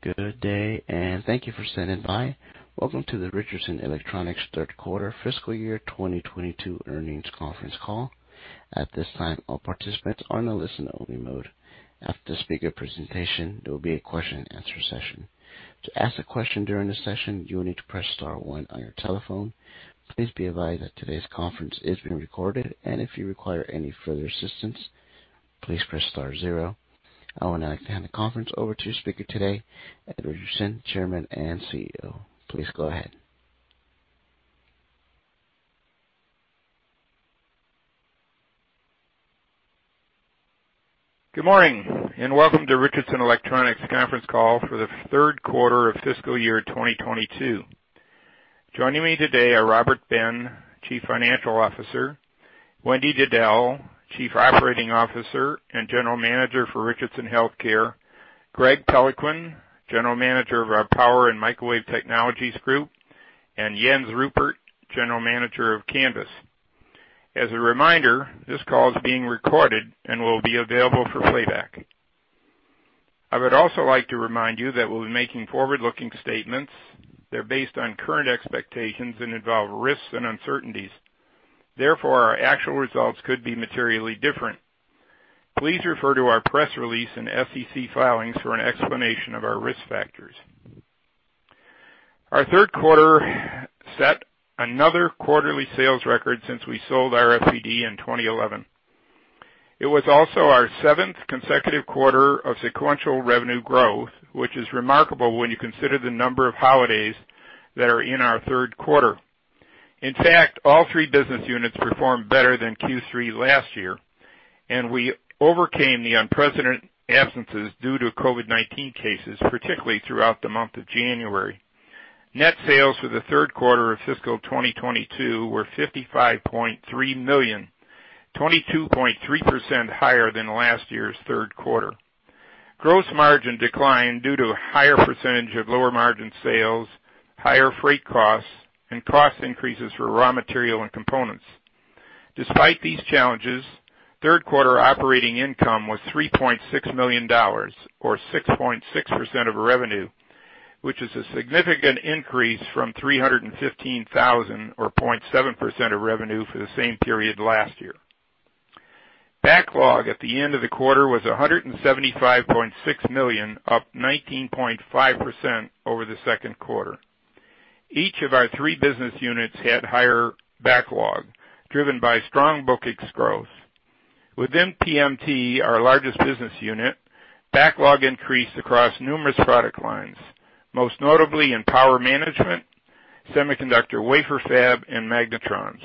Good day, and thank you for standing by. Welcome to the Richardson Electronics third quarter fiscal year 2022 earnings conference call. At this time, all participants are in a listen-only mode. After the speaker presentation, there will be a question and answer session. To ask a question during the session, you will need to press star one on your telephone. Please be advised that today's conference is being recorded, and if you require any further assistance, please press star zero. I would now like to hand the conference over to the speaker today, Ed Richardson, Chairman and CEO. Please go ahead. Good morning, and welcome to Richardson Electronics conference call for the third quarter of fiscal year 2022. Joining me today are Robert Ben, Chief Financial Officer, Wendy Diddell, Chief Operating Officer and General Manager for Richardson Healthcare, Greg Peloquin, General Manager of our Power and Microwave Technologies Group, and Jens Ruppert, General Manager of Canvys. As a reminder, this call is being recorded and will be available for playback. I would also like to remind you that we'll be making forward-looking statements. They're based on current expectations and involve risks and uncertainties. Therefore, our actual results could be materially different. Please refer to our press release and SEC filings for an explanation of our risk factors. Our third quarter set another quarterly sales record since we sold RFPD in 2011. It was also our 7th consecutive quarter of sequential revenue growth, which is remarkable when you consider the number of holidays that are in our third quarter. In fact, all three business units performed better than Q3 last year, and we overcame the unprecedented absences due to COVID-19 cases, particularly throughout the month of January. Net sales for the third quarter of fiscal 2022 were $55.3 million, 22.3% higher than last year's third quarter. Gross margin declined due to a higher percentage of lower margin sales, higher freight costs, and cost increases for raw material and components. Despite these challenges, third quarter operating income was $3.6 million, or 6.6% of revenue, which is a significant increase from $315,000 or 0.7% of revenue for the same period last year. Backlog at the end of the quarter was $175.6 million, up 19.5% over the second quarter. Each of our three business units had higher backlog driven by strong bookings growth. Within PMT, our largest business unit, backlog increased across numerous product lines, most notably in power management, semiconductor, wafer fab, and magnetrons.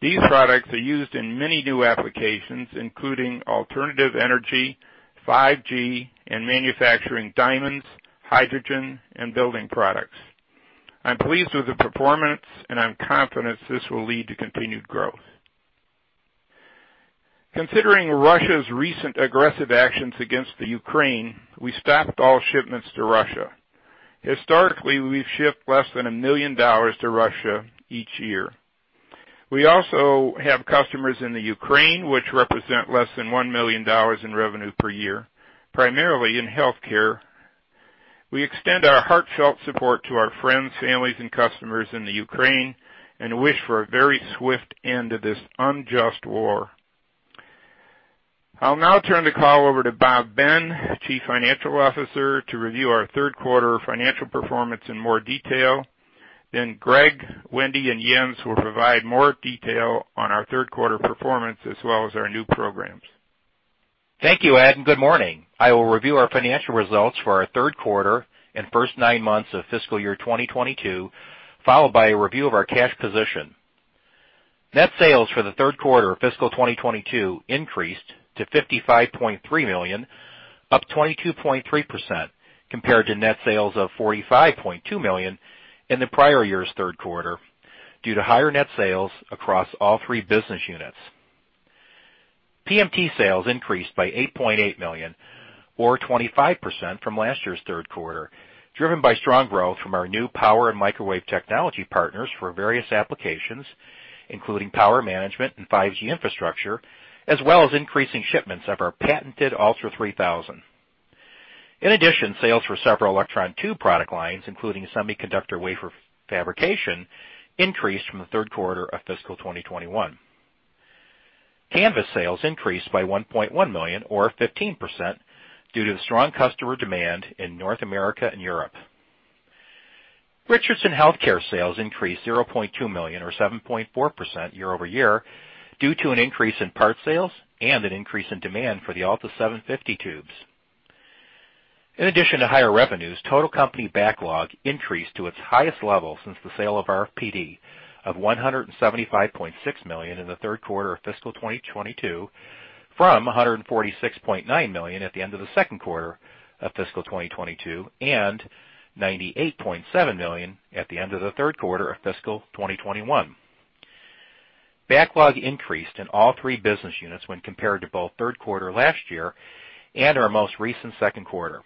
These products are used in many new applications, including alternative energy, 5G, and manufacturing diamonds, hydrogen and building products. I'm pleased with the performance and I'm confident this will lead to continued growth. Considering Russia's recent aggressive actions against Ukraine, we stopped all shipments to Russia. Historically, we've shipped less than $1 million to Russia each year. We also have customers in Ukraine which represent less than $1 million in revenue per year, primarily in healthcare. We extend our heartfelt support to our friends, families and customers in the Ukraine and wish for a very swift end to this unjust war. I'll now turn the call over to Bob Ben, Chief Financial Officer, to review our third quarter financial performance in more detail. Greg, Wendy and Jens will provide more detail on our third quarter performance as well as our new programs. Thank you, Ed, and good morning. I will review our financial results for our third quarter and first nine months of fiscal year 2022, followed by a review of our cash position. Net sales for the third quarter of fiscal 2022 increased to $55.3 million, up 22.3% compared to net sales of $45.2 million in the prior year's third quarter due to higher net sales across all three business units. PMT sales increased by $8.8 million or 25% from last year's third quarter, driven by strong growth from our new Power and Microwave Technologies partners for various applications including power management and 5G infrastructure, as well as increasing shipments of our patented ULTRA3000. In addition, sales for several electron tube product lines, including semiconductor wafer fabrication, increased from the third quarter of fiscal 2021. Canvys sales increased by $1.1 million or 15% due to the strong customer demand in North America and Europe. Richardson Healthcare sales increased $0.2 million or 7.4% year-over-year due to an increase in part sales and an increase in demand for the ALTA750 tubes. In addition to higher revenues, total company backlog increased to its highest level since the sale of RFPD of $175.6 million in the third quarter of fiscal 2022 from $146.9 million at the end of the second quarter of fiscal 2022 and $98.7 million at the end of the third quarter of fiscal 2021. Backlog increased in all three business units when compared to both third quarter last year and our most recent second quarter.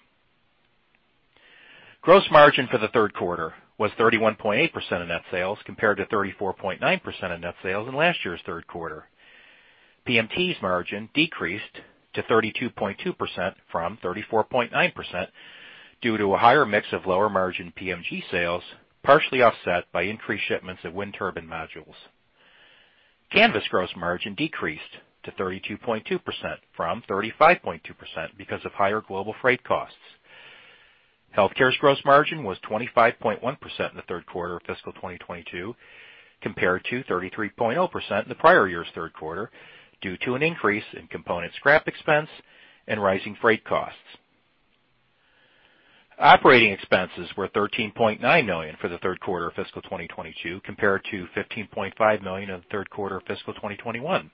Gross margin for the third quarter was 31.8% of net sales compared to 34.9% of net sales in last year's third quarter. PMT's margin decreased to 32.2% from 34.9% due to a higher mix of lower margin PMG sales, partially offset by increased shipments of wind turbine modules. Canvys gross margin decreased to 32.2% from 35.2% because of higher global freight costs. Healthcare's gross margin was 25.1% in the third quarter of fiscal 2022 compared to 33.0% in the prior year's third quarter due to an increase in component scrap expense and rising freight costs. Operating expenses were $13.9 million for the third quarter of fiscal 2022 compared to $15.5 million in the third quarter of fiscal 2021.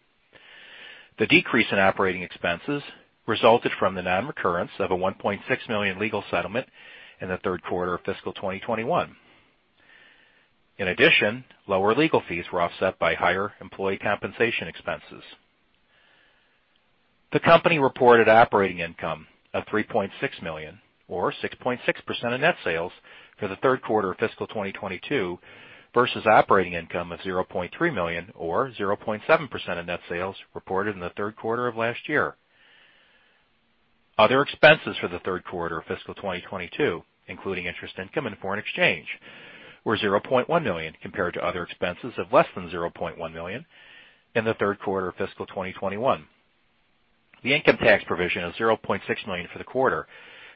The decrease in operating expenses resulted from the non-recurrence of a $1.6 million legal settlement in the third quarter of fiscal 2021. In addition, lower legal fees were offset by higher employee compensation expenses. The company reported operating income of $3.6 million or 6.6% of net sales for the third quarter of fiscal 2022 versus operating income of $0.3 million or 0.7% of net sales reported in the third quarter of last year. Other expenses for the third quarter of fiscal 2022, including interest income and foreign exchange, were $0.1 million compared to other expenses of less than $0.1 million in the third quarter of fiscal 2021. The income tax provision of $0.6 million for the quarter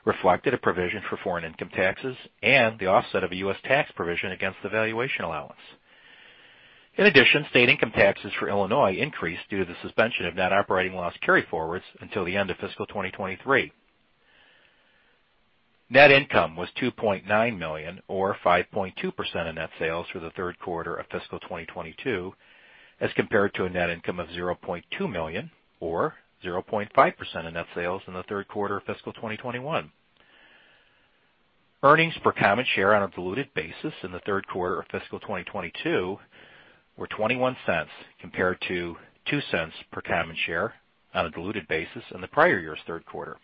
reflected a provision for foreign income taxes and the offset of a U.S. tax provision against the valuation allowance. In addition, state income taxes for Illinois increased due to the suspension of net operating loss carry forwards until the end of fiscal 2023. Net income was $2.9 million or 5.2% of net sales for the third quarter of fiscal 2022 as compared to a net income of $0.2 million or 0.5% of net sales in the third quarter of fiscal 2021. Earnings per common share on a diluted basis in the third quarter of fiscal 2022 were $0.21 compared to $0.02 per common share on a diluted basis in the prior year's third quarter.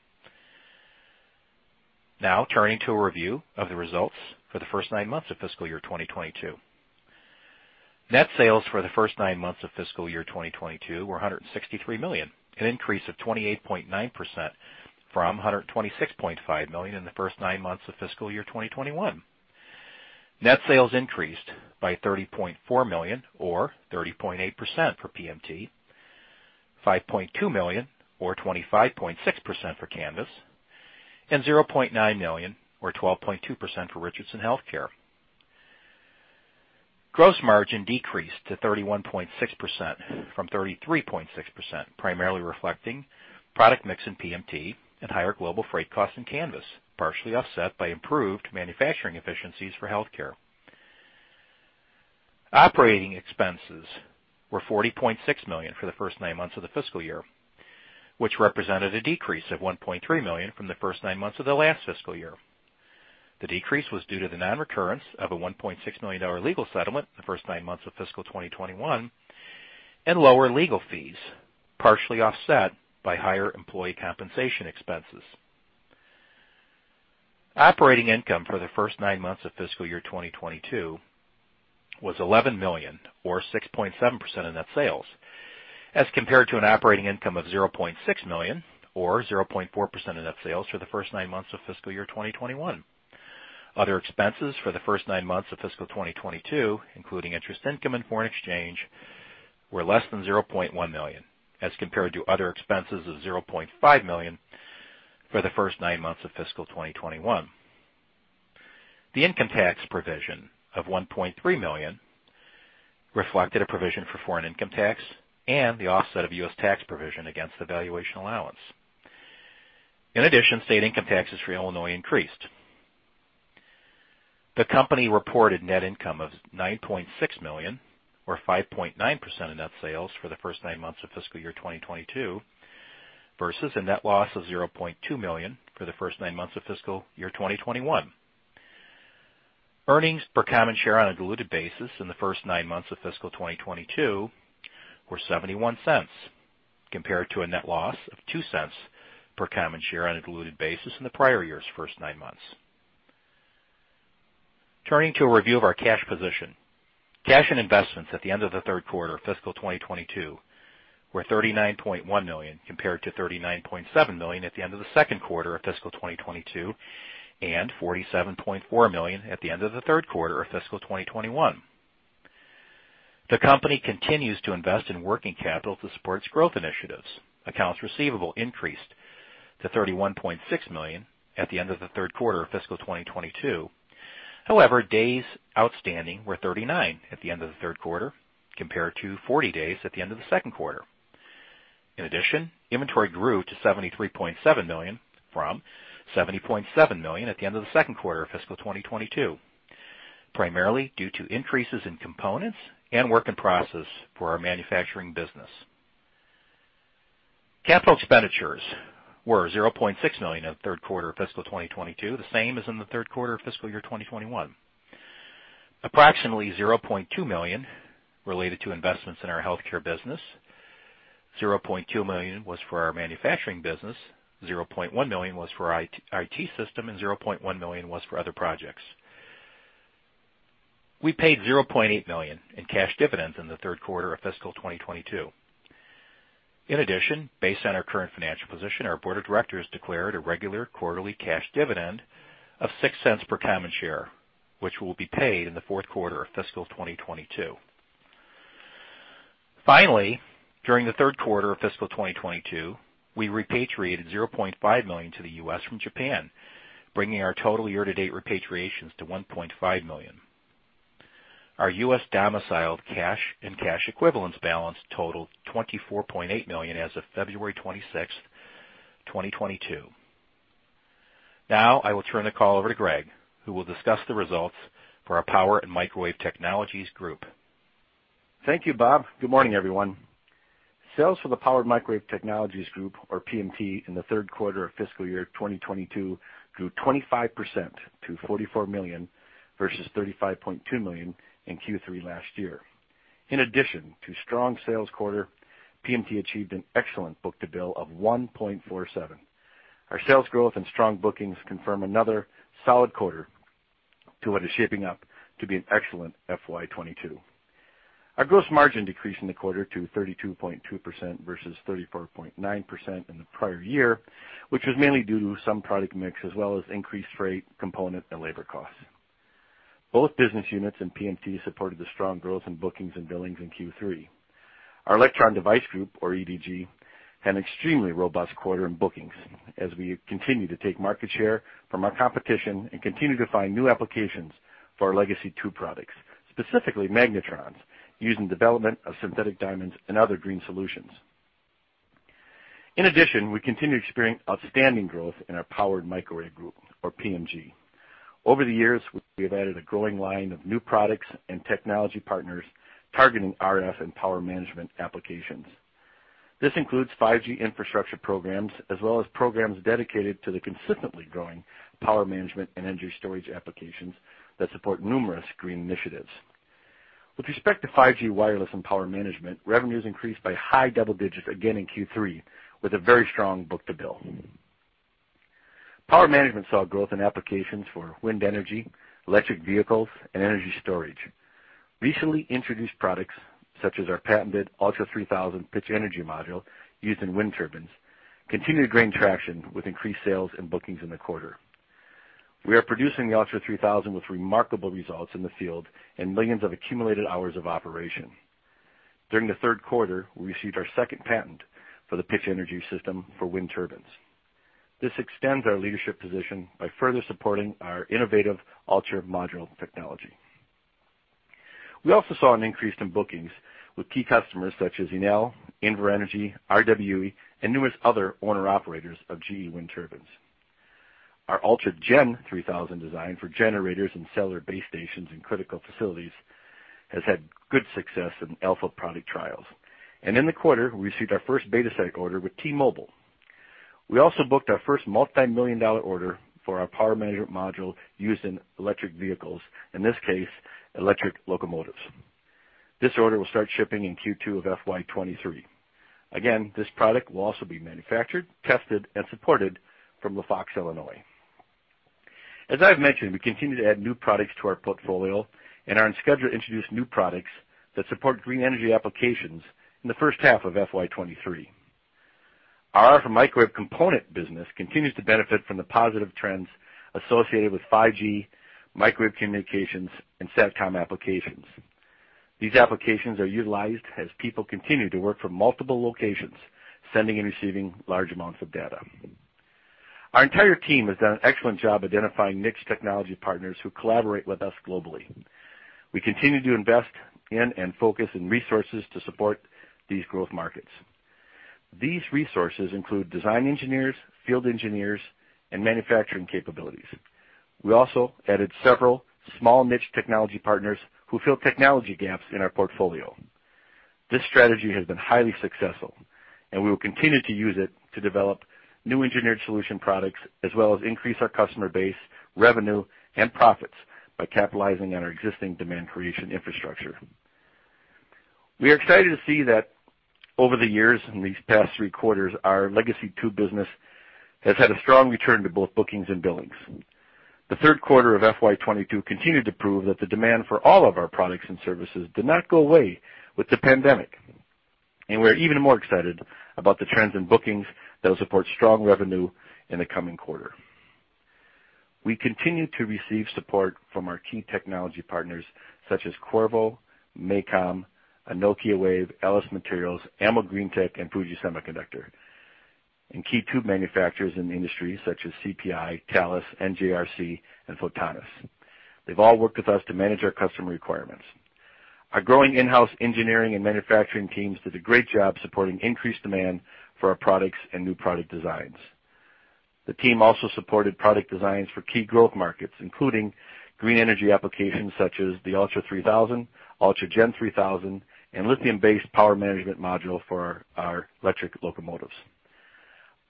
Now turning to a review of the results for the first nine months of fiscal year 2022. Net sales for the first nine months of fiscal year 2022 were $163 million, an increase of 28.9% from $126.5 million in the first nine months of fiscal year 2021. Net sales increased by $30.4 million or 30.8% for PMT, $5.2 million or 25.6% for Canvys, and $0.9 million or 12.2% for Richardson Healthcare. Gross margin decreased to 31.6% from 33.6%, primarily reflecting product mix in PMT and higher global freight costs in Canvys, partially offset by improved manufacturing efficiencies for Healthcare. Operating expenses were $40.6 million for the first nine months of the fiscal year, which represented a decrease of $1.3 million from the first nine months of the last fiscal year. The decrease was due to the non-recurrence of a $1.6 million legal settlement in the first nine months of fiscal 2021 and lower legal fees, partially offset by higher employee compensation expenses. Operating income for the first nine months of fiscal year 2022 was $11 million or 6.7% of net sales as compared to an operating income of $0.6 million or 0.4% of net sales for the first nine months of fiscal year 2021. Other expenses for the first nine months of fiscal 2022, including interest income and foreign exchange, were less than $0.1 million as compared to other expenses of $0.5 million for the first nine months of fiscal 2021. The income tax provision of $1.3 million reflected a provision for foreign income tax and the offset of U.S. tax provision against the valuation allowance. In addition, state income taxes for Illinois increased. The company reported net income of $9.6 million or 5.9% of net sales for the first nine months of fiscal year 2022 versus a net loss of $0.2 million for the first nine months of fiscal year 2021. Earnings per common share on a diluted basis in the first nine months of fiscal 2022 were $0.71 compared to a net loss of $0.02 per common share on a diluted basis in the prior year's first nine months. Turning to a review of our cash position. Cash and investments at the end of the third quarter of fiscal 2022 were $39.1 million compared to $39.7 million at the end of the second quarter of fiscal 2022 and $47.4 million at the end of the third quarter of fiscal 2021. The company continues to invest in working capital to support its growth initiatives. Accounts receivable increased to $31.6 million at the end of the third quarter of fiscal 2022. However, days outstanding were 39 at the end of the third quarter compared to 40 days at the end of the second quarter. In addition, inventory grew to $73.7 million from $70.7 million at the end of the second quarter of fiscal 2022, primarily due to increases in components and work in process for our manufacturing business. Capital expenditures were $0.6 million in the third quarter of fiscal 2022, the same as in the third quarter of fiscal year 2021. Approximately $0.2 million related to investments in our healthcare business, $0.2 million was for our manufacturing business, $0.1 million was for IT system, and $0.1 million was for other projects. We paid $0.8 million in cash dividends in the third quarter of fiscal 2022. In addition, based on our current financial position, our board of directors declared a regular quarterly cash dividend of $0.06 per common share, which will be paid in the fourth quarter of fiscal 2022. Finally, during the third quarter of fiscal 2022, we repatriated $0.5 million to the U.S. from Japan, bringing our total year-to-date repatriations to $1.5 million. Our U.S. domiciled cash and cash equivalents balance totaled $24.8 million as of February 26, 2022. Now, I will turn the call over to Greg, who will discuss the results for our Power and Microwave Technologies Group. Thank you, Bob. Good morning, everyone. Sales for the Power and Microwave Technologies Group, or PMT, in the third quarter of fiscal year 2022 grew 25% to $44 million versus $35.2 million in Q3 last year. In addition to strong sales quarter, PMT achieved an excellent book-to-bill of 1.47. Our sales growth and strong bookings confirm another solid quarter to what is shaping up to be an excellent FY 2022. Our gross margin decreased in the quarter to 32.2% versus 34.9% in the prior year, which was mainly due to some product mix as well as increased freight, component, and labor costs. Both business units and PMT supported the strong growth in bookings and billings in Q3. Our Electron Device Group, or EDG, had an extremely robust quarter in bookings as we continue to take market share from our competition and continue to find new applications for our legacy tube products, specifically magnetrons, used in development of synthetic diamonds and other green solutions. In addition, we continue to experience outstanding growth in our Power and Microwave Group, or PMG. Over the years, we have added a growing line of new products and technology partners targeting RF and power management applications. This includes 5G infrastructure programs as well as programs dedicated to the consistently growing power management and energy storage applications that support numerous green initiatives. With respect to 5G wireless and power management, revenues increased by high double digits again in Q3 with a very strong book-to-bill. Power management saw growth in applications for wind energy, electric vehicles, and energy storage. Recently introduced products, such as our patented ULTRA3000 Pitch Energy Module used in wind turbines, continue to gain traction with increased sales and bookings in the quarter. We are producing the ULTRA3000 with remarkable results in the field and millions of accumulated hours of operation. During the third quarter, we received our second patent for the Pitch Energy system for wind turbines. This extends our leadership position by further supporting our innovative Ultra module technology. We also saw an increase in bookings with key customers such as Enel, Invenergy, RWE and numerous other owner-operators of GE wind turbines. Our ULTRAGEN3000 design for generators and cellular base stations in critical facilities has had good success in alpha product trials. In the quarter, we received our first beta site order with T-Mobile. We also booked our first multi-million-dollar order for our power management module used in electric vehicles, in this case, electric locomotives. This order will start shipping in Q2 of FY 2023. Again, this product will also be manufactured, tested, and supported from LaFox, Illinois. As I've mentioned, we continue to add new products to our portfolio and are on schedule to introduce new products that support green energy applications in the first half of FY 2023. Our microwave component business continues to benefit from the positive trends associated with 5G, microwave communications, and SatCom applications. These applications are utilized as people continue to work from multiple locations, sending and receiving large amounts of data. Our entire team has done an excellent job identifying niche technology partners who collaborate with us globally. We continue to invest in and focus our resources to support these growth markets. These resources include design engineers, field engineers, and manufacturing capabilities. We also added several small niche technology partners who fill technology gaps in our portfolio. This strategy has been highly successful, and we will continue to use it to develop new engineered solution products as well as increase our customer base, revenue, and profits by capitalizing on our existing demand creation infrastructure. We are excited to see that over the years, in these past three quarters, our legacy PMT business has had a strong return to both bookings and billings. The third quarter of FY 2022 continued to prove that the demand for all of our products and services did not go away with the pandemic, and we're even more excited about the trends in bookings that will support strong revenue in the coming quarter. We continue to receive support from our key technology partners such as Qorvo, MACOM, Anokiwave, LS Materials, AMOGREENTECH, and Fuji Electric, and key tube manufacturers in the industry such as CPI, Thales, NJR, and Photonis. They've all worked with us to manage our customer requirements. Our growing in-house engineering and manufacturing teams did a great job supporting increased demand for our products and new product designs. The team also supported product designs for key growth markets, including green energy applications such as the ULTRA3000, ULTRAGEN3000, and lithium-based power management module for our electric locomotives.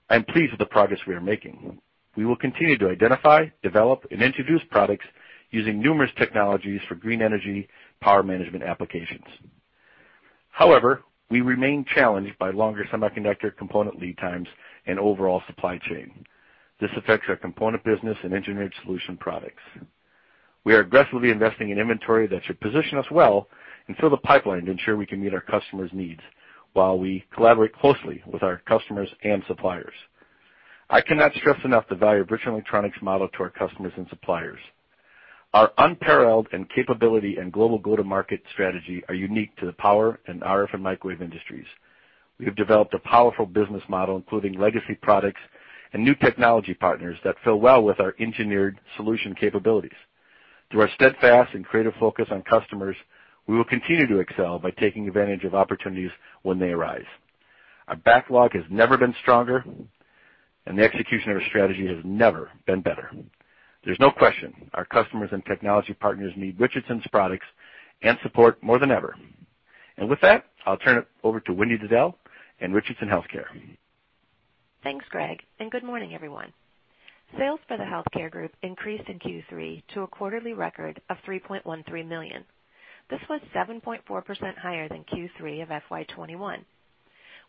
I'm pleased with the progress we are making. We will continue to identify, develop, and introduce products using numerous technologies for green energy power management applications. However, we remain challenged by longer semiconductor component lead times and overall supply chain. This affects our component business and engineered solution products. We are aggressively investing in inventory that should position us well and fill the pipeline to ensure we can meet our customers' needs while we collaborate closely with our customers and suppliers. I cannot stress enough the value of Richardson Electronics' model to our customers and suppliers. Our unparalleled R&D capability and global go-to-market strategy are unique to the power and RF and microwave industries. We have developed a powerful business model, including legacy products and new technology partners that fit well with our engineered solution capabilities. Through our steadfast and creative focus on customers, we will continue to excel by taking advantage of opportunities when they arise. Our backlog has never been stronger, and the execution of our strategy has never been better. There's no question our customers and technology partners need Richardson's products and support more than ever. With that, I'll turn it over to Wendy Diddell in Richardson Healthcare. Thanks, Greg, and good morning, everyone. Sales for the healthcare group increased in Q3 to a quarterly record of $3.13 million. This was 7.4% higher than Q3 of FY 2021.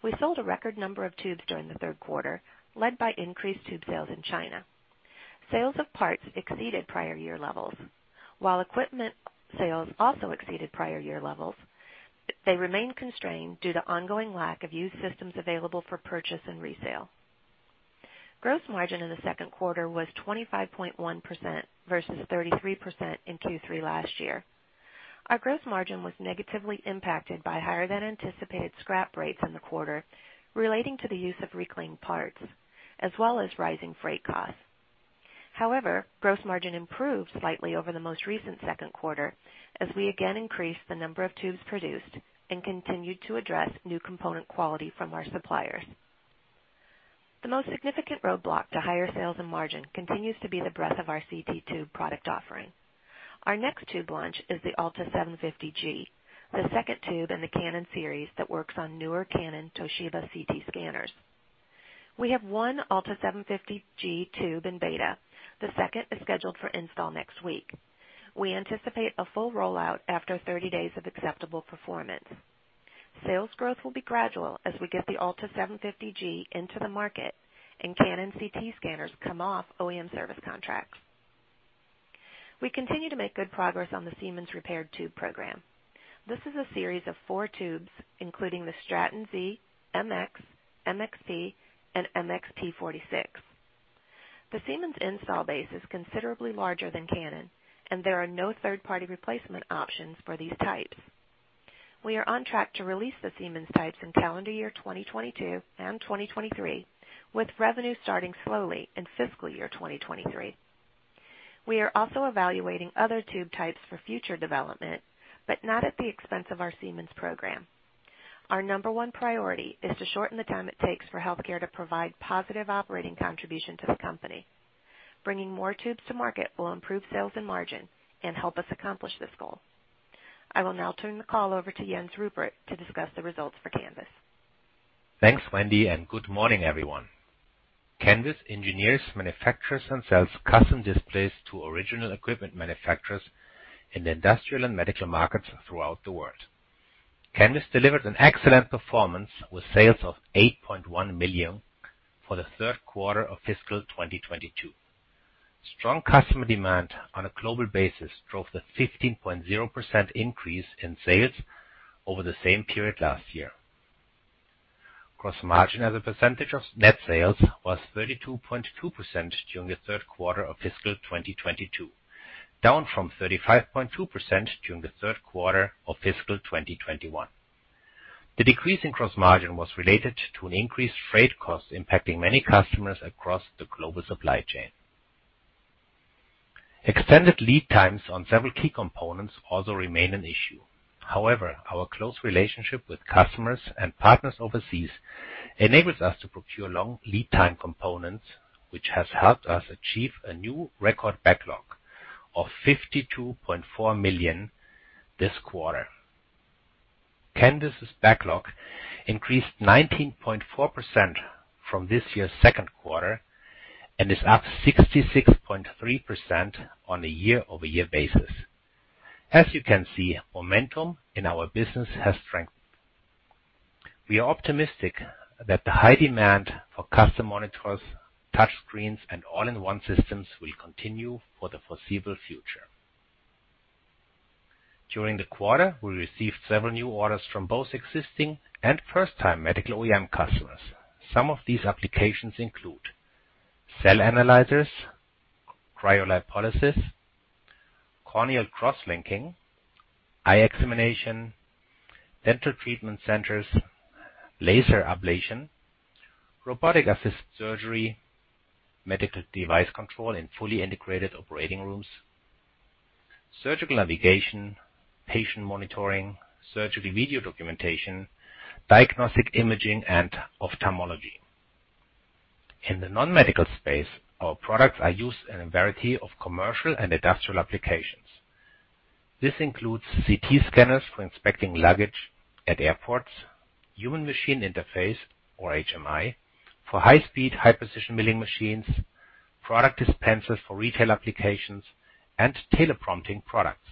We sold a record number of tubes during the third quarter, led by increased tube sales in China. Sales of parts exceeded prior year levels. While equipment sales also exceeded prior year levels, they remain constrained due to ongoing lack of used systems available for purchase and resale. Gross margin in the third quarter was 25.1% versus 33% in Q3 last year. Our gross margin was negatively impacted by higher than anticipated scrap rates in the quarter relating to the use of reclaimed parts, as well as rising freight costs. However, gross margin improved slightly over the most recent second quarter as we again increased the number of tubes produced and continued to address new component quality from our suppliers. The most significant roadblock to higher sales and margin continues to be the breadth of our CT tube product offering. Our next tube launch is the ALTA750G, the second tube in the Canon series that works on newer Canon Toshiba CT scanners. We have one ALTA750G tube in beta. The second is scheduled for install next week. We anticipate a full rollout after 30 days of acceptable performance. Sales growth will be gradual as we get the ALTA750G into the market and Canon CT scanners come off OEM service contracts. We continue to make good progress on the Siemens repaired tube program. This is a series of four tubes, including the Straton Z, MX, MXP, and MXP-46. The Siemens install base is considerably larger than Canon, and there are no third-party replacement options for these types. We are on track to release the Siemens types in calendar year 2022 and 2023, with revenue starting slowly in fiscal year 2023. We are also evaluating other tube types for future development, but not at the expense of our Siemens program. Our number one priority is to shorten the time it takes for healthcare to provide positive operating contribution to the company. Bringing more tubes to market will improve sales and margin and help us accomplish this goal. I will now turn the call over to Jens Ruppert to discuss the results for Canvys. Thanks, Wendy, and good morning, everyone. Canvys engineers, manufactures, and sells custom displays to original equipment manufacturers in the industrial and medical markets throughout the world. Canvys delivered an excellent performance with sales of $8.1 million for the third quarter of fiscal 2022. Strong customer demand on a global basis drove the 15.0% increase in sales over the same period last year. Gross margin as a percentage of net sales was 32.2% during the third quarter of fiscal 2022, down from 35.2% during the third quarter of fiscal 2021. The decrease in gross margin was related to an increased freight cost impacting many customers across the global supply chain. Extended lead times on several key components also remain an issue. However, our close relationship with customers and partners overseas enables us to procure long lead time components, which has helped us achieve a new record backlog of $52.4 million this quarter. Canvys' backlog increased 19.4% from this year's second quarter and is up 66.3% on a year-over-year basis. As you can see, momentum in our business has strengthened. We are optimistic that the high demand for custom monitors, touch screens, and all-in-one systems will continue for the foreseeable future. During the quarter, we received several new orders from both existing and first-time medical OEM customers. Some of these applications include cell analyzers, cryolipolysis, corneal cross-linking, eye examination, dental treatment centers, laser ablation, robotic-assisted surgery, medical device control, and fully integrated operating rooms, surgical navigation, patient monitoring, surgery video documentation, diagnostic imaging, and ophthalmology. In the non-medical space, our products are used in a variety of commercial and industrial applications. This includes CT scanners for inspecting luggage at airports, human machine interface or HMI for high speed, high precision milling machines, product dispensers for retail applications, and teleprompting products.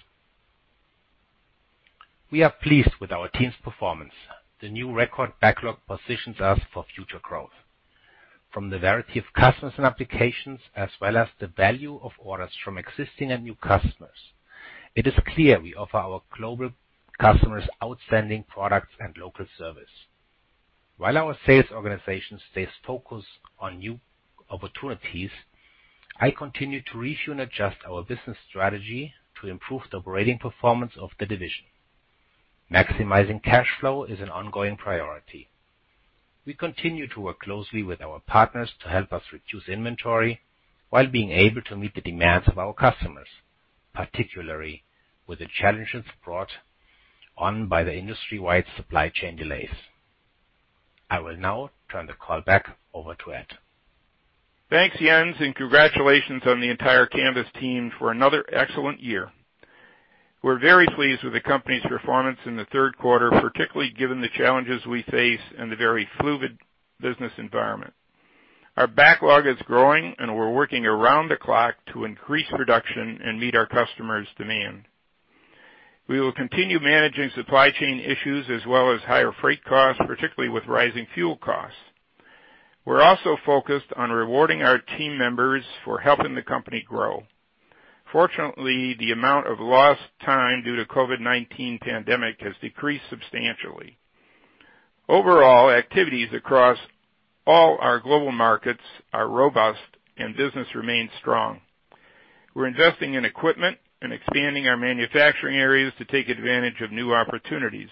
We are pleased with our team's performance. The new record backlog positions us for future growth. From the variety of customers and applications, as well as the value of orders from existing and new customers, it is clear we offer our global customers outstanding products and local service. While our sales organization stays focused on new opportunities, I continue to retune, adjust our business strategy to improve the operating performance of the division. Maximizing cash flow is an ongoing priority. We continue to work closely with our partners to help us reduce inventory while being able to meet the demands of our customers, particularly with the challenges brought on by the industry-wide supply chain delays. I will now turn the call back over to Ed. Thanks, Jens, and congratulations on the entire Canvys team for another excellent year. We're very pleased with the company's performance in the third quarter, particularly given the challenges we face in the very fluid business environment. Our backlog is growing, and we're working around the clock to increase production and meet our customers' demand. We will continue managing supply chain issues as well as higher freight costs, particularly with rising fuel costs. We're also focused on rewarding our team members for helping the company grow. Fortunately, the amount of lost time due to COVID-19 pandemic has decreased substantially. Overall, activities across all our global markets are robust and business remains strong. We're investing in equipment and expanding our manufacturing areas to take advantage of new opportunities.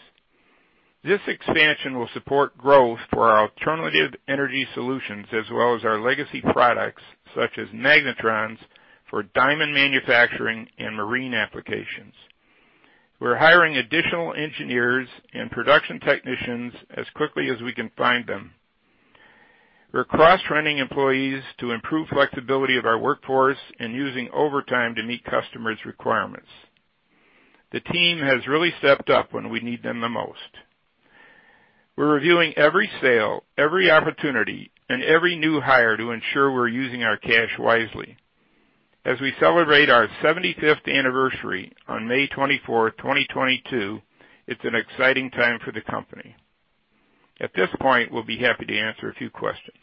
This expansion will support growth for our alternative energy solutions as well as our legacy products, such as magnetrons for diamond manufacturing and marine applications. We're hiring additional engineers and production technicians as quickly as we can find them. We're cross-training employees to improve flexibility of our workforce and using overtime to meet customers' requirements. The team has really stepped up when we need them the most. We're reviewing every sale, every opportunity, and every new hire to ensure we're using our cash wisely. As we celebrate our 75th anniversary on May 24, 2022, it's an exciting time for the company. At this point, we'll be happy to answer a few questions.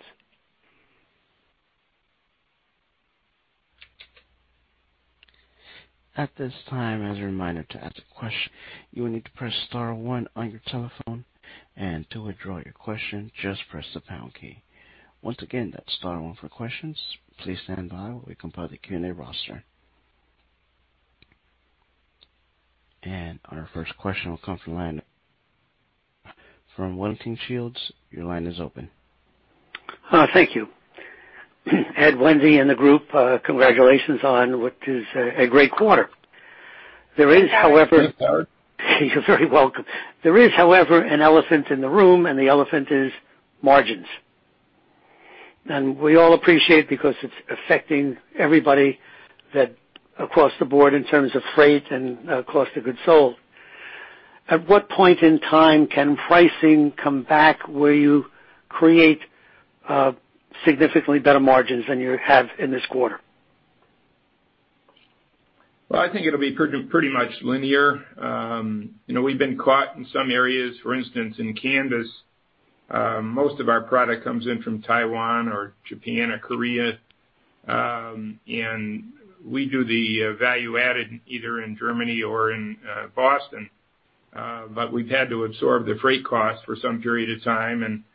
At this time, as a reminder to ask a question, you will need to press star one on your telephone, and to withdraw your question, just press the pound key. Once again, that's star one for questions. Please stand by while we compile the Q&A roster. And our first question will come from the line. From Wellington Shields, your line is open. Thank you. Ed, Wendy and the group, congratulations on what is a great quarter. There is, however, Thanks, Howard. You're very welcome. There is, however, an elephant in the room, and the elephant is margins. We all appreciate because it's affecting everybody that across the board in terms of freight and, cost of goods sold. At what point in time can pricing come back where you create, significantly better margins than you have in this quarter? Well, I think it'll be pretty much linear. You know, we've been caught in some areas. For instance, in Canvys, most of our product comes in from Taiwan or Japan or Korea. We do the value-added either in Germany or in Boston. We've had to absorb the freight costs for some period of time.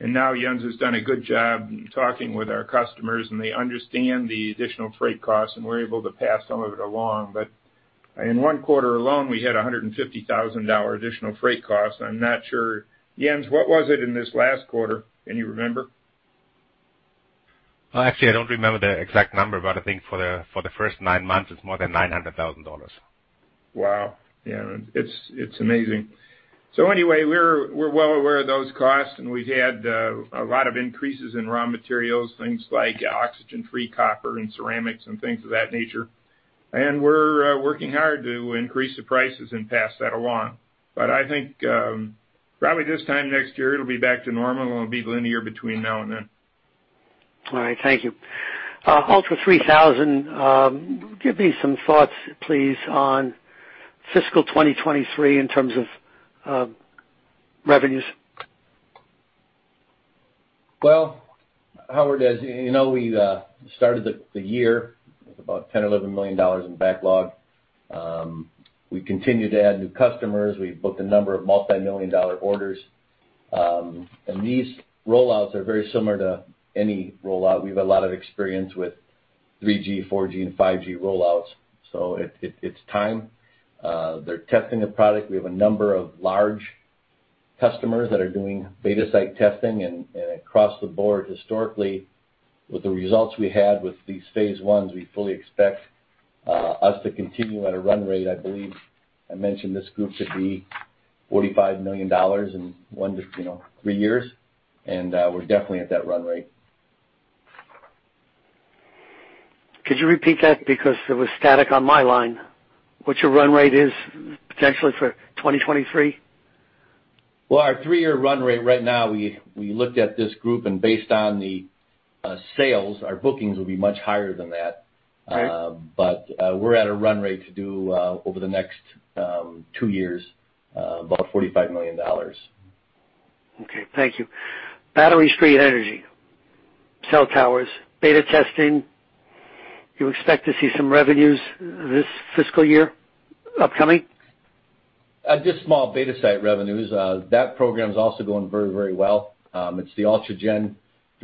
Now Jens has done a good job talking with our customers, and they understand the additional freight costs, and we're able to pass some of it along. In one quarter alone, we had $150,000 additional freight cost. I'm not sure, Jens, what was it in this last quarter? Can you remember? Actually, I don't remember the exact number, but I think for the first nine months it's more than $900,000. Wow. Yeah. It's amazing. Anyway, we're well aware of those costs, and we've had a lot of increases in raw materials, things like oxygen-free copper and ceramics and things of that nature. We're working hard to increase the prices and pass that along. I think, probably this time next year it'll be back to normal, and we'll be linear between now and then. All right. Thank you. ULTRA3000, give me some thoughts, please, on fiscal 2023 in terms of revenues. Well, Howard, as you know, we started the year with about $10 million-$11 million in backlog. We continue to add new customers. We've booked a number of multimillion-dollar orders. These rollouts are very similar to any rollout. We've a lot of experience with 3G, 4G, and 5G rollouts. It's time. They're testing the product. We have a number of large customers that are doing beta site testing and, across the board historically, with the results we had with these phase ones, we fully expect us to continue at a run rate. I believe I mentioned this group to be $45 million in one to three years, you know, and we're definitely at that run rate. Could you repeat that? Because there was static on my line. What is your run rate potentially for 2023? Well, our three-year run rate right now, we looked at this group and based on the sales, our bookings will be much higher than that. Right. We're at a run rate to do over the next two years about $45 million. Okay. Thank you. Battery storage, energy, cell towers, beta testing. You expect to see some revenues this fiscal year upcoming? Just small beta site revenues. That program's also going very, very well. It's the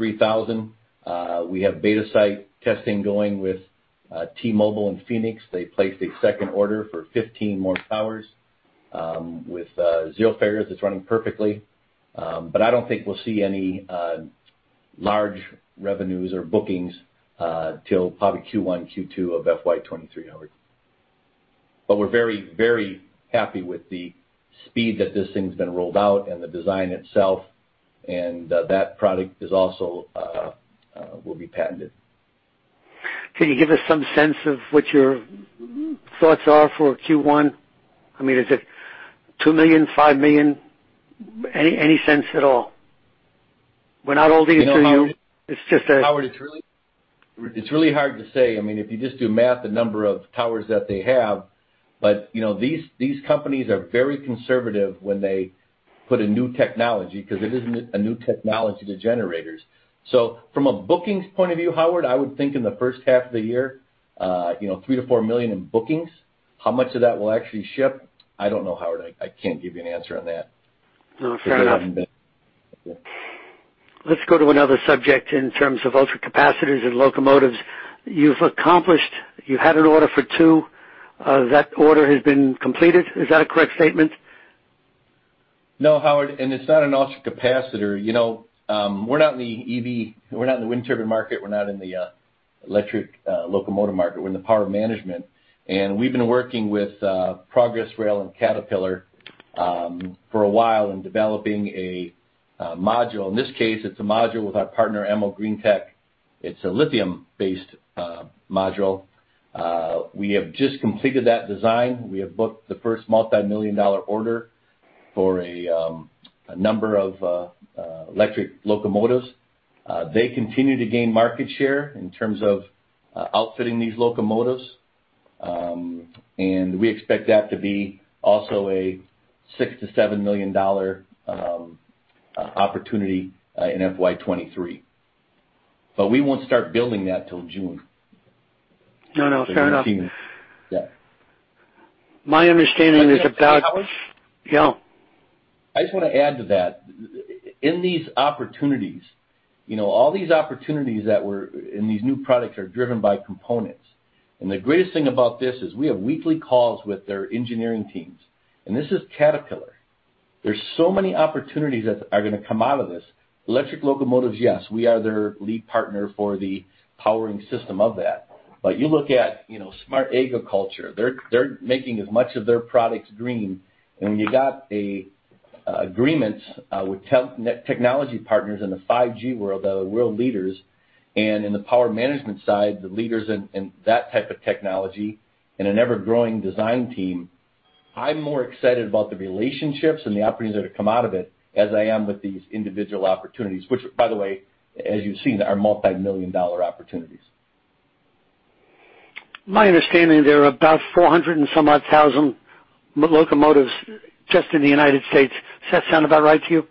ULTRAGEN3000. We have beta site testing going with T-Mobile in Phoenix. They placed a second order for 15 more towers with 0 failures. It's running perfectly. I don't think we'll see any large revenues or bookings till probably Q1, Q2 of FY 2023, Howard. We're very, very happy with the speed that this thing's been rolled out and the design itself, and that product is also will be patented. Can you give us some sense of what your thoughts are for Q1? I mean, is it $2 million, $5 million? Any sense at all? We're not holding you to it. It's just a- Howard, it's really hard to say. I mean, if you just do math, the number of towers that they have, but you know, these companies are very conservative when they put a new technology because it isn't a new technology to generators. So from a bookings point of view, Howard, I would think in the first half of the year, you know, $3 million-$4 million in bookings. How much of that will actually ship? I don't know, Howard, I can't give you an answer on that. No, fair enough. Let's go to another subject in terms of ultracapacitors and locomotives. You've accomplished. You had an order for two. That order has been completed. Is that a correct statement? No, Howard, it's not an ultracapacitor. You know, we're not in the EV, we're not in the wind turbine market, we're not in the electric locomotive market. We're in the power management. We've been working with Progress Rail and Caterpillar for a while in developing a module. In this case, it's a module with our partner, AmoGreentech. It's a lithium-based module. We have just completed that design. We have booked the first multi-million dollar order for a number of electric locomotives. They continue to gain market share in terms of outfitting these locomotives. We expect that to be also a $6 million-$7 million opportunity in FY 2023. We won't start building that till June. No, no, fair enough. You're seeing that. My understanding is about. Can I just add, Howard? Yeah. I just wanna add to that. In these opportunities, you know, all these opportunities that we're, and these new products are driven by components. The greatest thing about this is we have weekly calls with their engineering teams, and this is Caterpillar. There's so many opportunities that are gonna come out of this. Electric locomotives, yes. We are their lead partner for the powering system of that. You look at, you know, smart agriculture, they're making as much of their products green. When you got a agreement with technology partners in the 5G world that are world leaders, and in the power management side, the leaders in that type of technology, and an ever-growing design team, I'm more excited about the relationships and the opportunities that have come out of it as I am with these individual opportunities, which by the way, as you've seen, are multi-million dollar opportunities. My understanding, there are about 400-some-odd thousand locomotives just in the United States. Does that sound about right to you?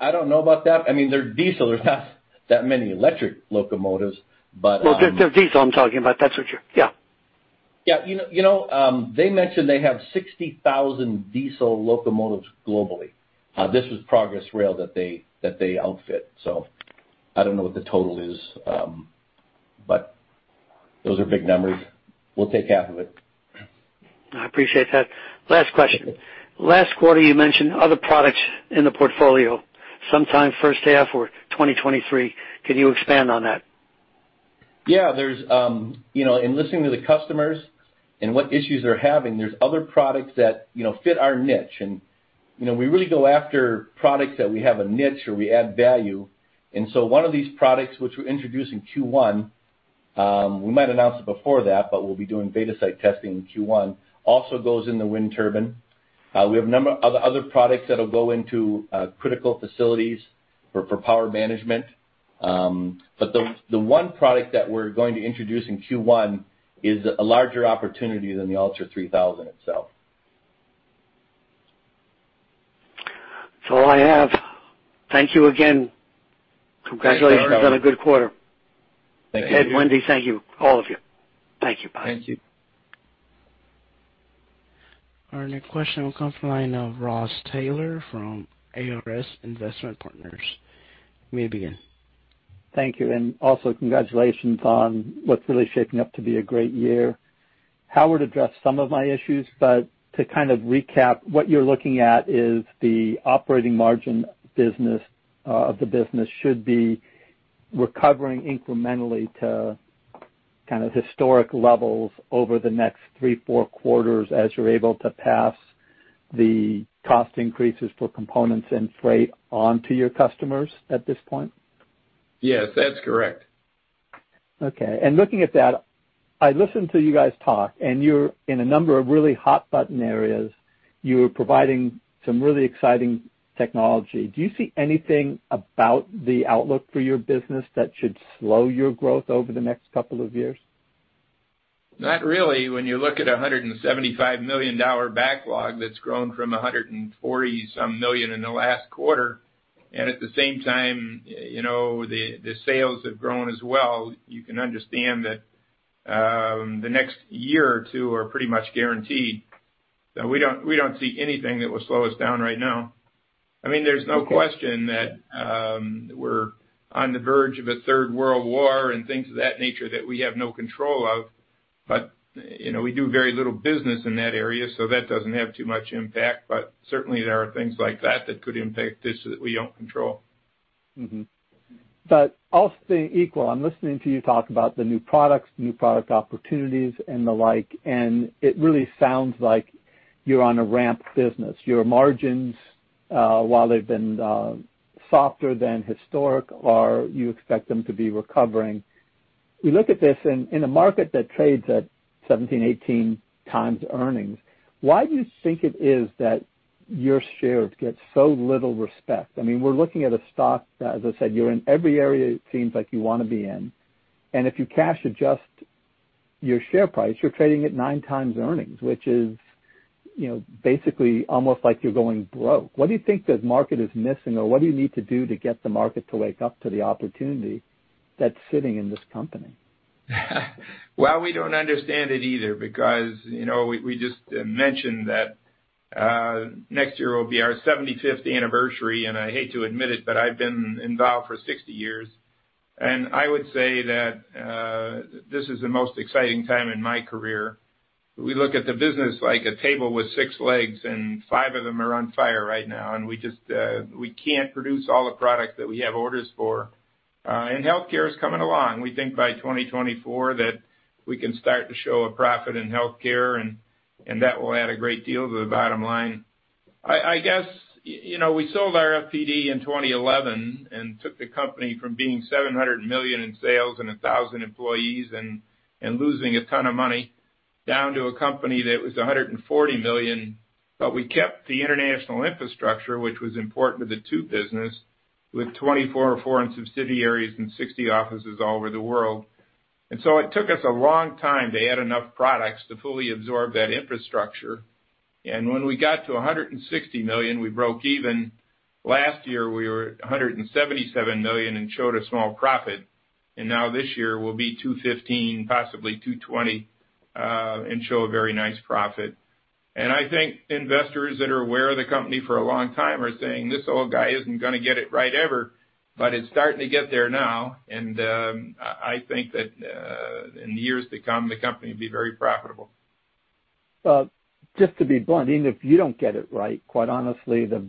I don't know about that. I mean, they're diesel. There's not that many electric locomotives, but Well, they're diesel I'm talking about. That's what you Yeah. Yeah. You know, they mentioned they have 60,000 diesel locomotives globally. This was Progress Rail that they outfit. I don't know what the total is, but those are big numbers. We'll take half of it. I appreciate that. Last question. Last quarter, you mentioned other products in the portfolio, sometime first half of 2023. Can you expand on that? Yeah. There's, you know, in listening to the customers and what issues they're having, there's other products that, you know, fit our niche. You know, we really go after products that we have a niche or we add value. One of these products which we introduce in Q1, we might announce it before that, but we'll be doing beta site testing in Q1, also goes in the wind turbine. We have a number of other products that'll go into, critical facilities for power management. The one product that we're going to introduce in Q1 is a larger opportunity than the ULTRA3000 itself. That's all I have. Thank you again. Thank you, Howard. Congratulations on a good quarter. Thank you. Ed, Wendy, thank you. All of you. Thank you. Bye. Thank you. Our next question will come from the line of Ross Taylor from ARS Investment Partners. You may begin. Thank you, and also congratulations on what's really shaping up to be a great year. Howard addressed some of my issues, but to kind of recap, what you're looking at is the operating margin of the business should be recovering incrementally to kind of historic levels over the next three, four quarters as you're able to pass the cost increases for components and freight on to your customers at this point? Yes, that's correct. Okay. Looking at that, I listened to you guys talk, and you're in a number of really hot button areas. You're providing some really exciting technology. Do you see anything about the outlook for your business that should slow your growth over the next couple of years? Not really. When you look at a $175 million backlog that's grown from a $140-some million in the last quarter, and at the same time, you know, the sales have grown as well, you can understand that the next year or two are pretty much guaranteed. We don't see anything that will slow us down right now. I mean, there's no question that we're on the verge of a third world war and things of that nature that we have no control of. You know, we do very little business in that area, so that doesn't have too much impact. Certainly, there are things like that that could impact this that we don't control. Mm-hmm. All things equal, I'm listening to you talk about the new products, new product opportunities and the like, and it really sounds like you're on a ramp business. Your margins, while they've been softer than historic, you expect them to be recovering. We look at this in a market that trades at 17-18x earnings. Why do you think it is that your shares get so little respect? I mean, we're looking at a stock that, as I said, you're in every area it seems like you wanna be in, and if you cash adjust your share price, you're trading at 9x earnings, which is, you know, basically almost like you're going broke. What do you think the market is missing or what do you need to do to get the market to wake up to the opportunity that's sitting in this company? Well, we don't understand it either because, you know, we just mentioned that next year will be our seventy-fifth anniversary, and I hate to admit it, but I've been involved for 60 years. I would say that this is the most exciting time in my career. We look at the business like a table with six legs, and five of them are on fire right now, and we just can't produce all the products that we have orders for. Healthcare is coming along. We think by 2024 that we can start to show a profit in Healthcare and that will add a great deal to the bottom line. I guess, you know, we sold RFPD in 2011 and took the company from being $700 million in sales and 1,000 employees and losing a ton of money down to a company that was $140 million. We kept the international infrastructure, which was important to the two businesses, with 24 foreign subsidiaries and 60 offices all over the world. It took us a long time to add enough products to fully absorb that infrastructure. When we got to $160 million, we broke even. Last year, we were at $177 million and showed a small profit. Now this year will be $215 million, possibly $220 million, and show a very nice profit. I think investors that are aware of the company for a long time are saying, "This old guy isn't gonna get it right ever." It's starting to get there now, and I think that in the years to come, the company will be very profitable. Well, just to be blunt, even if you don't get it right, quite honestly, the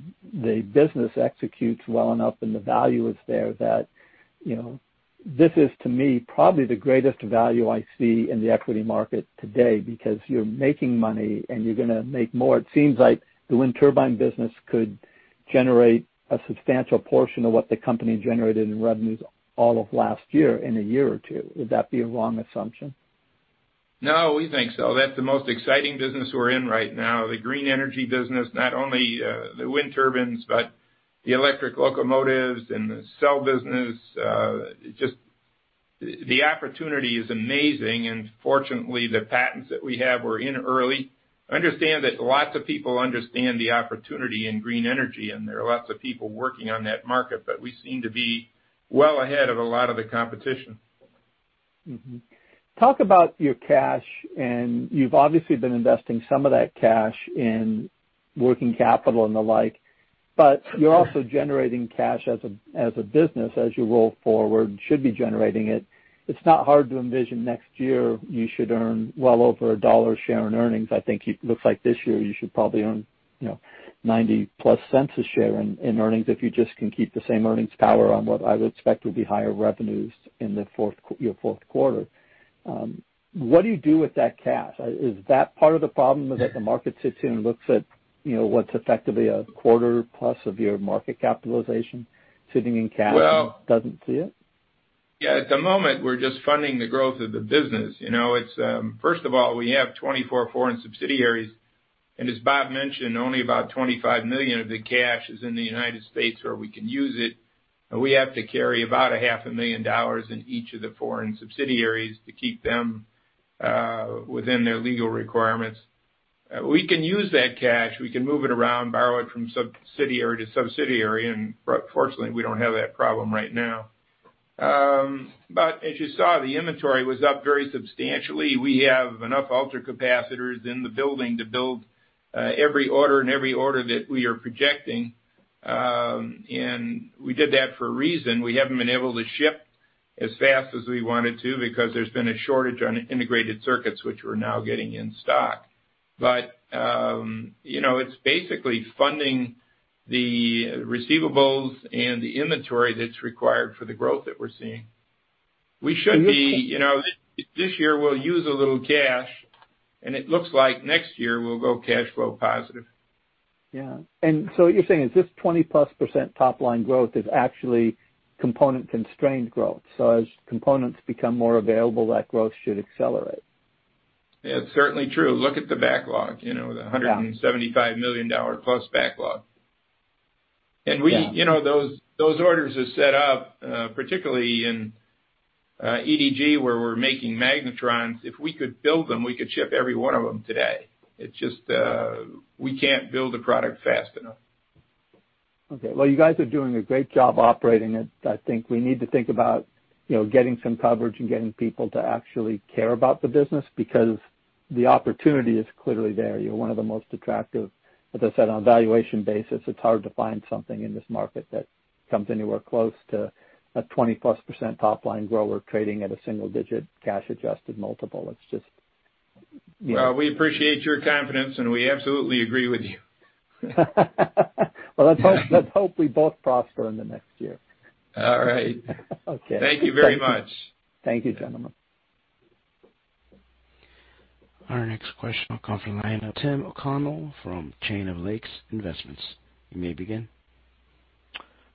business executes well enough and the value is there that, you know, this is, to me, probably the greatest value I see in the equity market today because you're making money and you're gonna make more. It seems like the wind turbine business could generate a substantial portion of what the company generated in revenues all of last year in a year or two. Would that be a wrong assumption? No, we think so. That's the most exciting business we're in right now, the green energy business. Not only the wind turbines, but the electric locomotives and the cell business. Just the opportunity is amazing. Fortunately, the patents that we have. We're in early. Understand that lots of people understand the opportunity in green energy, and there are lots of people working on that market, but we seem to be well ahead of a lot of the competition. Talk about your cash, and you've obviously been investing some of that cash in working capital and the like, but you're also generating cash as a business as you roll forward, should be generating it. It's not hard to envision next year you should earn well over $1 a share in earnings. I think it looks like this year you should probably earn, you know, 90+ cents a share in earnings if you just can keep the same earnings power on what I would expect would be higher revenues in your fourth quarter. What do you do with that cash? Is that part of the problem that the market sits here and looks at, you know, what's effectively a quarter plus of your market capitalization sitting in cash? Well- doesn't see it? Yeah, at the moment, we're just funding the growth of the business. You know, it's first of all, we have 24 foreign subsidiaries, and as Bob mentioned, only about $25 million of the cash is in the United States where we can use it, and we have to carry about half a million dollars in each of the foreign subsidiaries to keep them within their legal requirements. We can use that cash. We can move it around, borrow it from subsidiary to subsidiary, and fortunately, we don't have that problem right now. As you saw, the inventory was up very substantially. We have enough ultracapacitors in the building to build every order and every order that we are projecting. We did that for a reason. We haven't been able to ship as fast as we wanted to because there's been a shortage on integrated circuits, which we're now getting in stock. you know, it's basically funding the receivables and the inventory that's required for the growth that we're seeing. We should be- And this- You know, this year we'll use a little cash, and it looks like next year we'll go cash flow positive. Yeah. What you're saying is this 20%+ top-line growth is actually component-constrained growth. As components become more available, that growth should accelerate. Yeah, it's certainly true. Look at the backlog, you know? Yeah. The $175 million-plus backlog. Yeah. You know, those orders are set up, particularly in EDG, where we're making magnetrons. If we could build them, we could ship every one of them today. It's just we can't build the product fast enough. Okay. Well, you guys are doing a great job operating it. I think we need to think about, you know, getting some coverage and getting people to actually care about the business, because the opportunity is clearly there. You're one of the most attractive. As I said, on a valuation basis, it's hard to find something in this market that comes anywhere close to a 20%+ top line grower trading at a single digit cash adjusted multiple. It's just. Yeah. Well, we appreciate your confidence, and we absolutely agree with you. Well, let's hope. Yeah. Let's hope we both prosper in the next year. All right. Okay. Thank you very much. Thank you, gentlemen. Our next question will come from the line of Tim O'Connell from Chain of Lakes Investments. You may begin.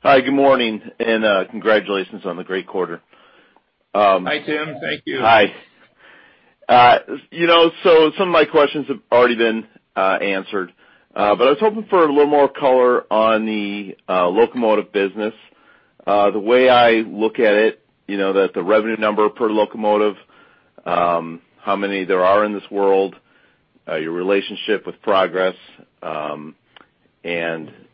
Hi, good morning, and congratulations on the great quarter. Hi, Tim. Thank you. Hi. You know, some of my questions have already been answered, but I was hoping for a little more color on the locomotive business. The way I look at it, you know, that the revenue number per locomotive, how many there are in this world, your relationship with Progress, and,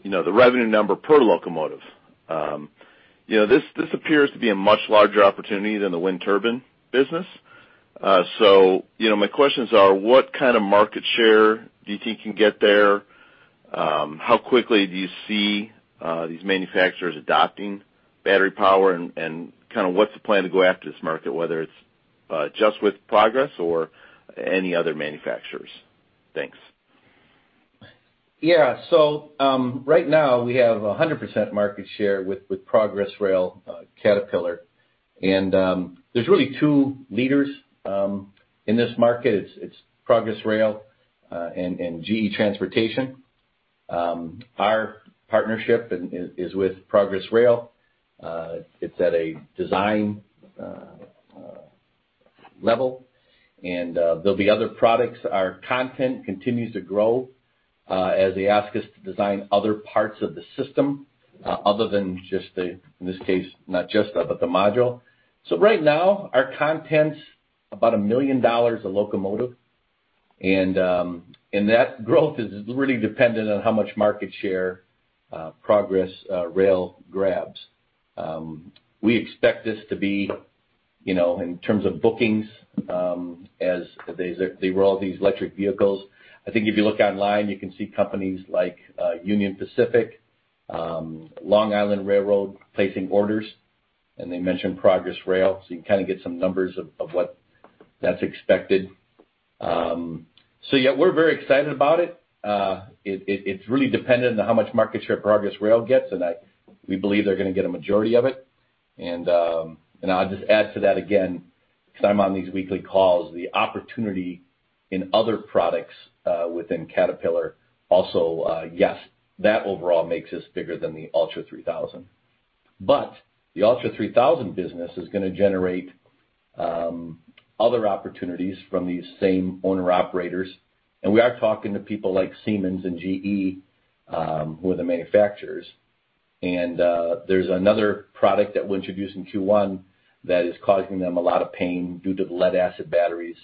you know, the revenue number per locomotive. You know, this appears to be a much larger opportunity than the wind turbine business. You know, my questions are, what kind of market share do you think you can get there? How quickly do you see these manufacturers adopting battery power? And kinda what's the plan to go after this market, whether it's just with Progress or any other manufacturers? Thanks. Right now we have 100% market share with Progress Rail, Caterpillar, and there's really two leaders in this market. It's Progress Rail and GE Transportation. Our partnership is with Progress Rail. It's at a design level, and there'll be other products. Our content continues to grow as they ask us to design other parts of the system other than just the module. In this case, not just the module. Right now, our content's about $1 million a locomotive, and that growth is really dependent on how much market share Progress Rail grabs. We expect this to be, you know, in terms of bookings, as they roll out these electric vehicles. I think if you look online, you can see companies like Union Pacific, Long Island Rail Road placing orders, and they mention Progress Rail, so you can kinda get some numbers of what that's expected. Yeah, we're very excited about it. It's really dependent on how much market share Progress Rail gets, and we believe they're gonna get a majority of it. I'll just add to that again, 'cause I'm on these weekly calls, the opportunity in other products within Caterpillar also, yes, that overall makes us bigger than the ULTRAGEN3000. The ULTRAGEN3000 business is gonna generate other opportunities from these same owner-operators, and we are talking to people like Siemens and GE, who are the manufacturers. There's another product that we'll introduce in Q1 that is causing them a lot of pain due to the lead-acid batteries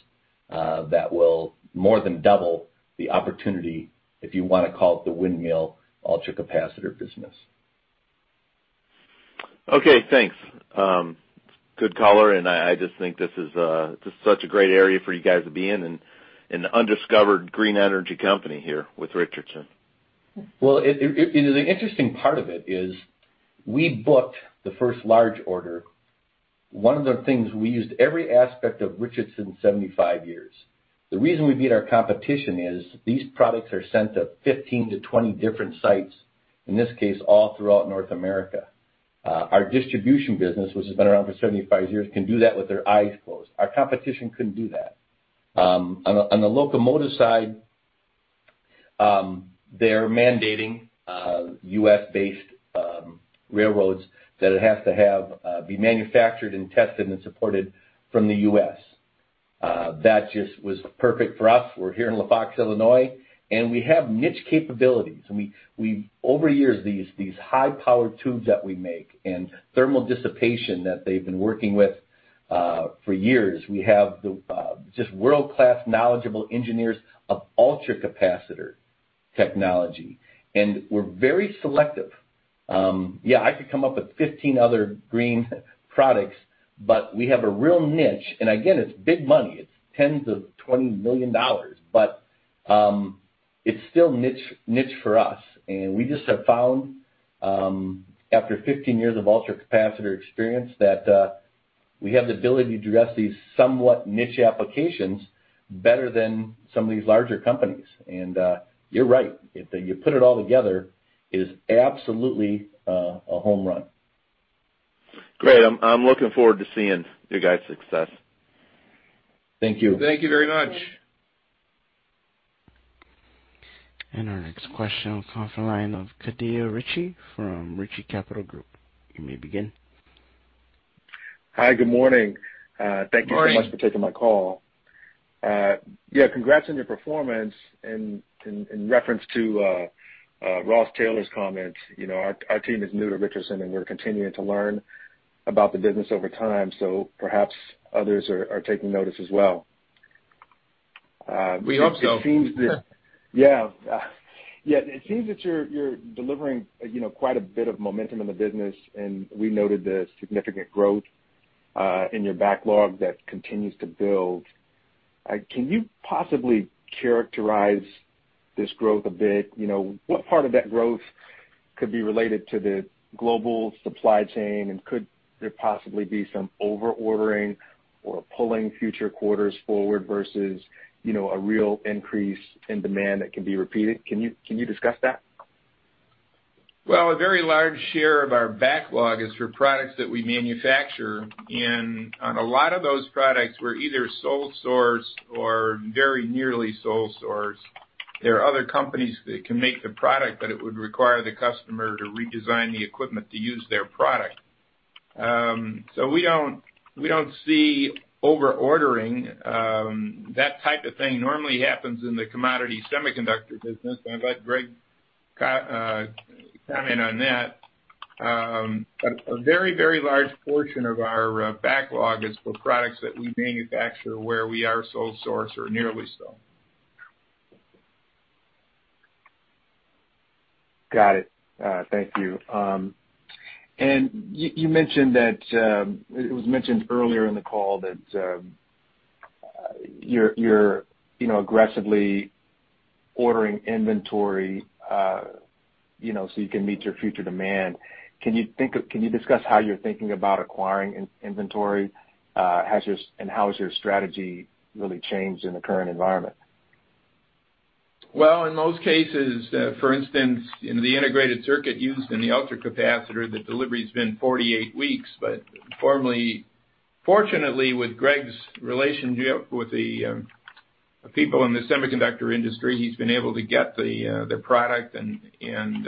that will more than double the opportunity, if you wanna call it the windmill ultracapacitor business. Okay, thanks. Good color, and I just think this is such a great area for you guys to be in, an undiscovered green energy company here with Richardson. Well, you know, the interesting part of it is we booked the first large order. One of the things, we used every aspect of Richardson's 75 years. The reason we beat our competition is these products are sent to 15-20 different sites, in this case, all throughout North America. Our distribution business, which has been around for 75 years, can do that with their eyes closed. Our competition couldn't do that. On the locomotive side, they're mandating U.S.-based railroads that it has to be manufactured and tested and supported from the U.S. That just was perfect for us. We're here in LaFox, Illinois, and we have niche capabilities. We've over the years these high-powered tubes that we make and thermal dissipation that they've been working with for years. We have just world-class knowledgeable engineers of ultracapacitor technology, and we're very selective. Yeah, I could come up with 15 other green products, but we have a real niche. Again, it's big money. It's $10 million-$20 million. It's still niche for us, and we just have found after 15 years of ultracapacitor experience that we have the ability to address these somewhat niche applications better than some of these larger companies. You're right. If you put it all together, it is absolutely a home run. Great. I'm looking forward to seeing you guys' success. Thank you. Thank you very much. Our next question on the conference line of Khadir Richie from Richie Capital Group. You may begin. Hi. Good morning. Morning. Thank you so much for taking my call. Yeah, congrats on your performance. In reference to Ross Taylor's comment, you know, our team is new to Richardson, and we're continuing to learn about the business over time, so perhaps others are taking notice as well. We hope so. It seems that you're delivering, you know, quite a bit of momentum in the business, and we noted the significant growth in your backlog that continues to build. Can you possibly characterize this growth a bit? You know, what part of that growth could be related to the global supply chain, and could there possibly be some over-ordering or pulling future quarters forward versus, you know, a real increase in demand that can be repeated? Can you discuss that? Well, a very large share of our backlog is for products that we manufacture, and on a lot of those products, we're either sole source or very nearly sole source. There are other companies that can make the product, but it would require the customer to redesign the equipment to use their product. We don't see over-ordering. That type of thing normally happens in the commodity semiconductor business, and I'll let Greg comment on that. A very large portion of our backlog is for products that we manufacture where we are sole source or nearly so. Got it. Thank you. You mentioned that it was mentioned earlier in the call that you're you know, aggressively ordering inventory you know, so you can meet your future demand. Can you discuss how you're thinking about acquiring inventory, how has your strategy really changed in the current environment? Well, in most cases, for instance, in the integrated circuit used in the ultracapacitor, the delivery's been 48 weeks. For the most part, fortunately, with Greg's relationship with the people in the semiconductor industry, he's been able to get the product and,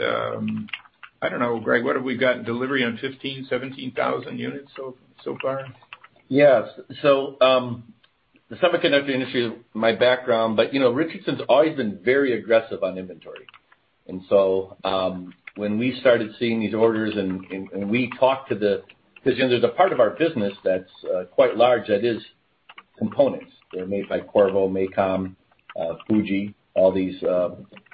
I don't know, Greg, what have we got delivery on 15, 17,000 units so far? Yes. The semiconductor industry is my background, but you know, Richardson's always been very aggressive on inventory. When we started seeing these orders and we talked, 'cause you know, there's a part of our business that's quite large that is components. They're made by Qorvo, MACOM, Fuji, all these,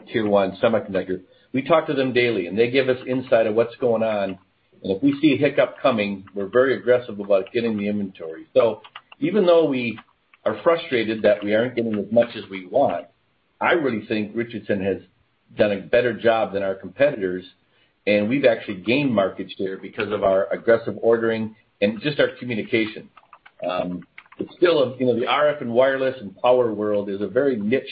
tier one semiconductor. We talk to them daily, and they give us insight of what's going on. If we see a hiccup coming, we're very aggressive about getting the inventory. Even though we are frustrated that we aren't getting as much as we want, I really think Richardson has done a better job than our competitors, and we've actually gained market share because of our aggressive ordering and just our communication. It's still a. You know, the RF and wireless and power world is a very niche,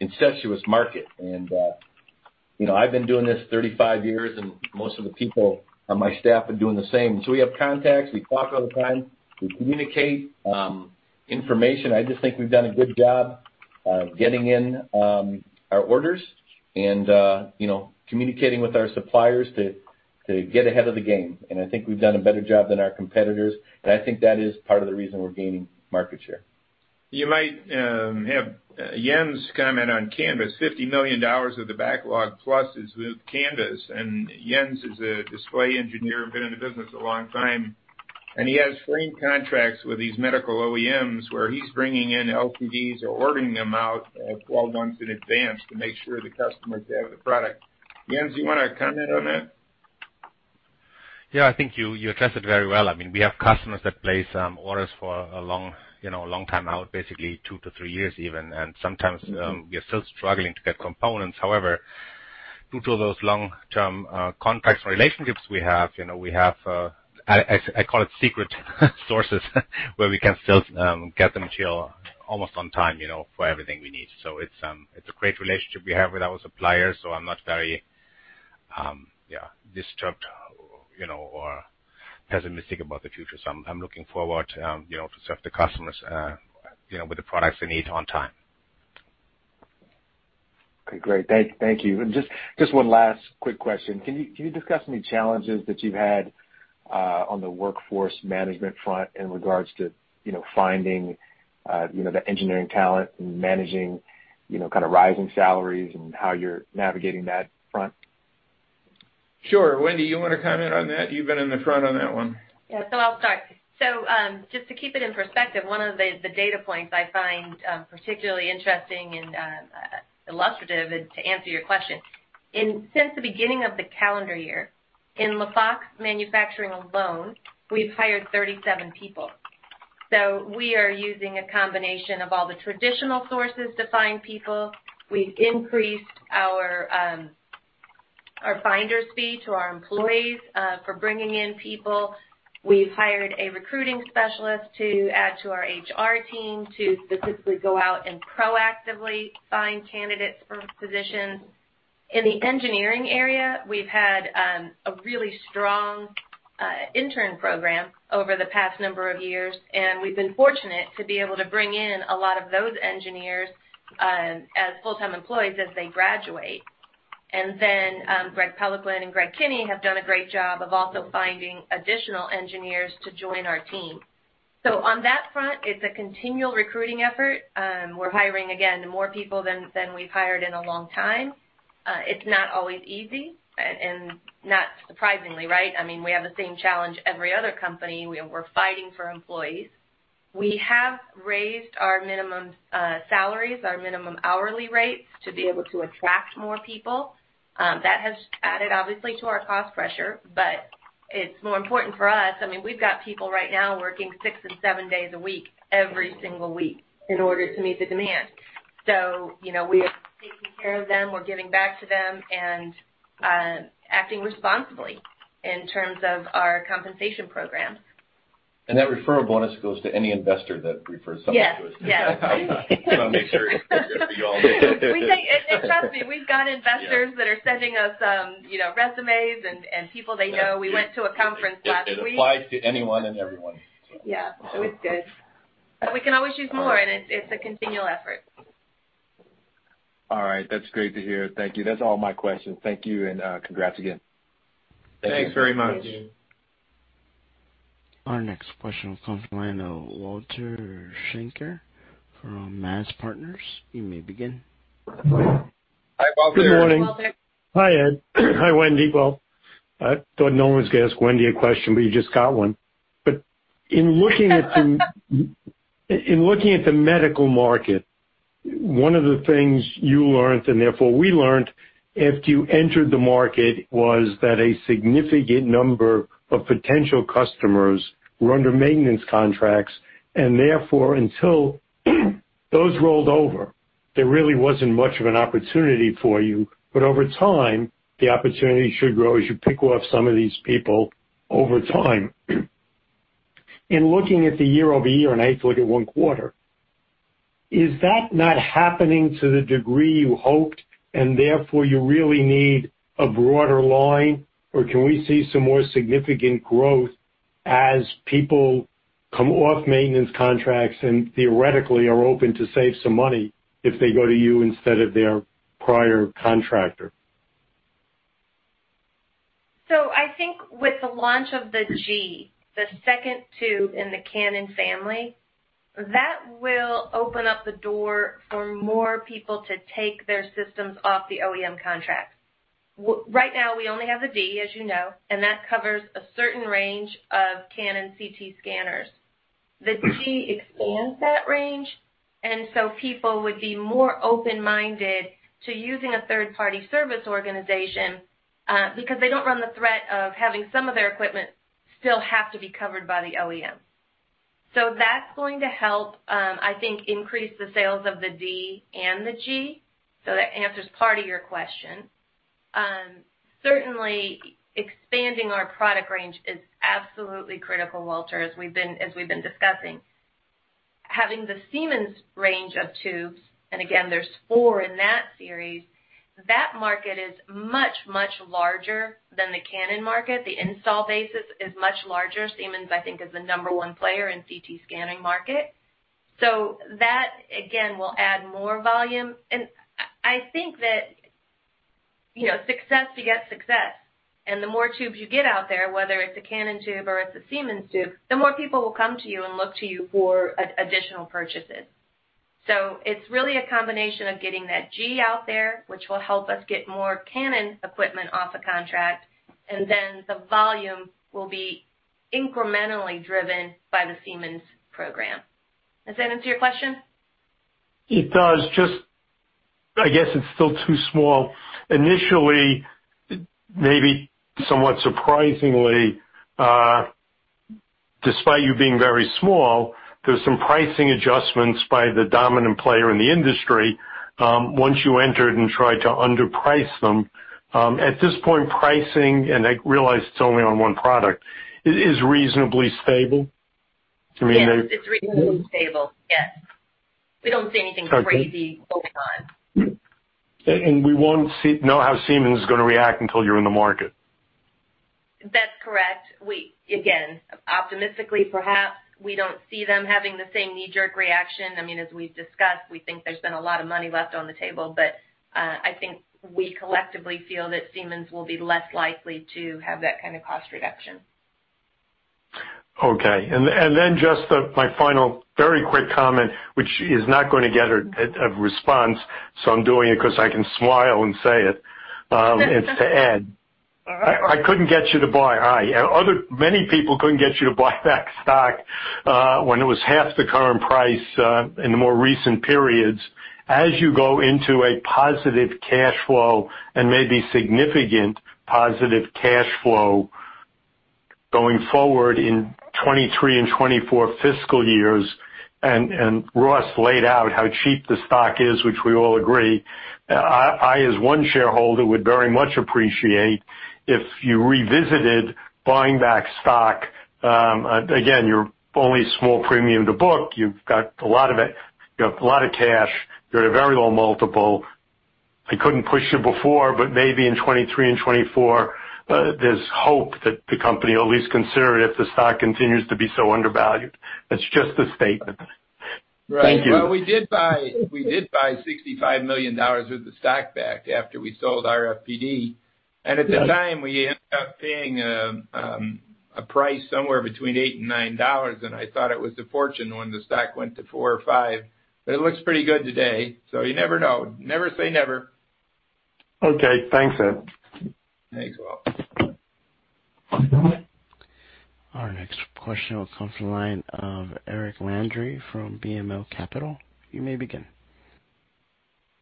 incestuous market. You know, I've been doing this 35 years, and most of the people on my staff are doing the same. We have contacts. We talk all the time. We communicate information. I just think we've done a good job of getting in our orders and, you know, communicating with our suppliers to get ahead of the game. I think we've done a better job than our competitors, and I think that is part of the reason we're gaining market share. You might have Jens comment on Canvys. $50 million of the backlog plus is with Canvys, and Jens is a display engineer, been in the business a long time, and he has frame contracts with these medical OEMs, where he's bringing in LPDs or ordering them out, 12 months in advance to make sure the customers have the product. Jens, you wanna comment on that? Yeah. I think you addressed it very well. I mean, we have customers that place orders for a long time out, basically two to three years even. Sometimes we are still struggling to get components. However, due to those long-term contracts and relationships we have, you know, we have I call it secret sources where we can still get the material almost on time, you know, for everything we need. It's a great relationship we have with our suppliers, so I'm not very disturbed, you know, or pessimistic about the future. I'm looking forward, you know, to serve the customers, you know, with the products they need on time. Okay. Great. Thank you. Just one last quick question. Can you discuss any challenges that you've had on the workforce management front in regards to you know finding you know the engineering talent and managing you know kind of rising salaries and how you're navigating that front? Sure. Wendy, you wanna comment on that? You've been in the front on that one. I'll start. Just to keep it in perspective, one of the data points I find particularly interesting and illustrative to answer your question. Since the beginning of the calendar year, in LaFox Manufacturing alone, we've hired 37 people. We are using a combination of all the traditional sources to find people. We've increased our finder's fee to our employees for bringing in people. We've hired a recruiting specialist to add to our HR team to specifically go out and proactively find candidates for positions. In the engineering area, we've had a really strong intern program over the past number of years, and we've been fortunate to be able to bring in a lot of those engineers as full-time employees as they graduate. Greg Peloquin and Greg Kinnie have done a great job of also finding additional engineers to join our team. On that front, it's a continual recruiting effort. We're hiring again more people than we've hired in a long time. It's not always easy and not surprisingly, right? I mean, we have the same challenge every other company. We're fighting for employees. We have raised our minimum salaries, our minimum hourly rates to be able to attract more people. That has added obviously to our cost pressure, but it's more important for us. I mean, we've got people right now working six and seven days a week, every single week in order to meet the demand. You know, we are taking care of them, we're giving back to them and acting responsibly in terms of our compensation program. That referral bonus goes to any investor that refers someone to us. Yes. Yes. Just wanna make sure you all know. trust me, we've got investors. Yeah that are sending us, you know, resumes and people they know. Yeah. We went to a conference last week. It applies to anyone and everyone, so. Yeah. So. It's good. We can always use more. All right. It's a continual effort. All right. That's great to hear. Thank you. That's all my questions. Thank you, and congrats again. Thank you. Thanks very much. Thank you. Our next question comes from the line of Walter Schenker from MAZ Partners. You may begin. Hi, Walter. Good morning. Hi, Walter. Hi, Ed. Hi, Wendy. Well, I thought no one was gonna ask Wendy a question, but you just got one. In looking at the medical market, one of the things you learned, and therefore we learned, after you entered the market was that a significant number of potential customers were under maintenance contracts, and therefore, until those rolled over, there really wasn't much of an opportunity for you. Over time, the opportunity should grow as you pick off some of these people over time. In looking at the year-over-year, and I look at one quarter, is that not happening to the degree you hoped, and therefore you really need a broader line, or can we see some more significant growth as people come off maintenance contracts and theoretically are open to save some money if they go to you instead of their prior contractor? I think with the launch of the G, the second tube in the Canon family, that will open up the door for more people to take their systems off the OEM contract. Right now, we only have the D, as you know, and that covers a certain range of Canon CT scanners. The G expands that range, and so people would be more open-minded to using a third-party service organization, because they don't run the risk of having some of their equipment still have to be covered by the OEM. That's going to help, I think, increase the sales of the D and the G. That answers part of your question. Certainly expanding our product range is absolutely critical, Walter, as we've been discussing. Having the Siemens range of tubes, and again, there's 4 in that series, that market is much, much larger than the Canon market. The installed base is much larger. Siemens, I think, is the number one player in CT scanning market. That, again, will add more volume. I think that, you know, success begets success. The more tubes you get out there, whether it's a Canon tube or it's a Siemens tube, the more people will come to you and look to you for additional purchases. It's really a combination of getting that G out there, which will help us get more Canon equipment off a contract, and then the volume will be incrementally driven by the Siemens program. Does that answer your question? It does. Just, I guess it's still too small. Initially, maybe somewhat surprisingly, despite you being very small, there's some pricing adjustments by the dominant player in the industry, once you entered and tried to underprice them. At this point, pricing, and I realize it's only on one product, is reasonably stable? To me, they- Yes, it's reasonably stable. Yes. We don't see anything crazy. Okay over time. We won't know how Siemens is gonna react until you're in the market. That's correct. We, again, optimistically, perhaps we don't see them having the same knee-jerk reaction. I mean, as we've discussed, we think there's been a lot of money left on the table, but I think we collectively feel that Siemens will be less likely to have that kind of cost reduction. Okay. My final very quick comment, which is not gonna get a response, so I'm doing it 'cause I can smile and say it. It's to Ed. Uh-uh. I couldn't get you to buy back. Many people couldn't get you to buy back stock when it was half the current price in the more recent periods. As you go into a positive cash flow and maybe significant positive cash flow going forward in 2023 and 2024 fiscal years, and Russ laid out how cheap the stock is, which we all agree, I as one shareholder would very much appreciate if you revisited buying back stock. Again, you're only small premium to book. You've got a lot of it. You have a lot of cash. You're at a very low multiple. I couldn't push you before, but maybe in 2023 and 2024, there's hope that the company will at least consider it if the stock continues to be so undervalued. That's just a statement. Right. Thank you. Well, we did buy $65 million worth of stock back after we sold RFPD. Yeah. At the time, we ended up paying a price somewhere between $8-$9, and I thought it was a fortune when the stock went to $4 or $5. It looks pretty good today, so you never know. Never say never. Okay. Thanks, Ed. Thanks, Walt. Our next question will come from the line of Eric Landry from BMO Capital. You may begin.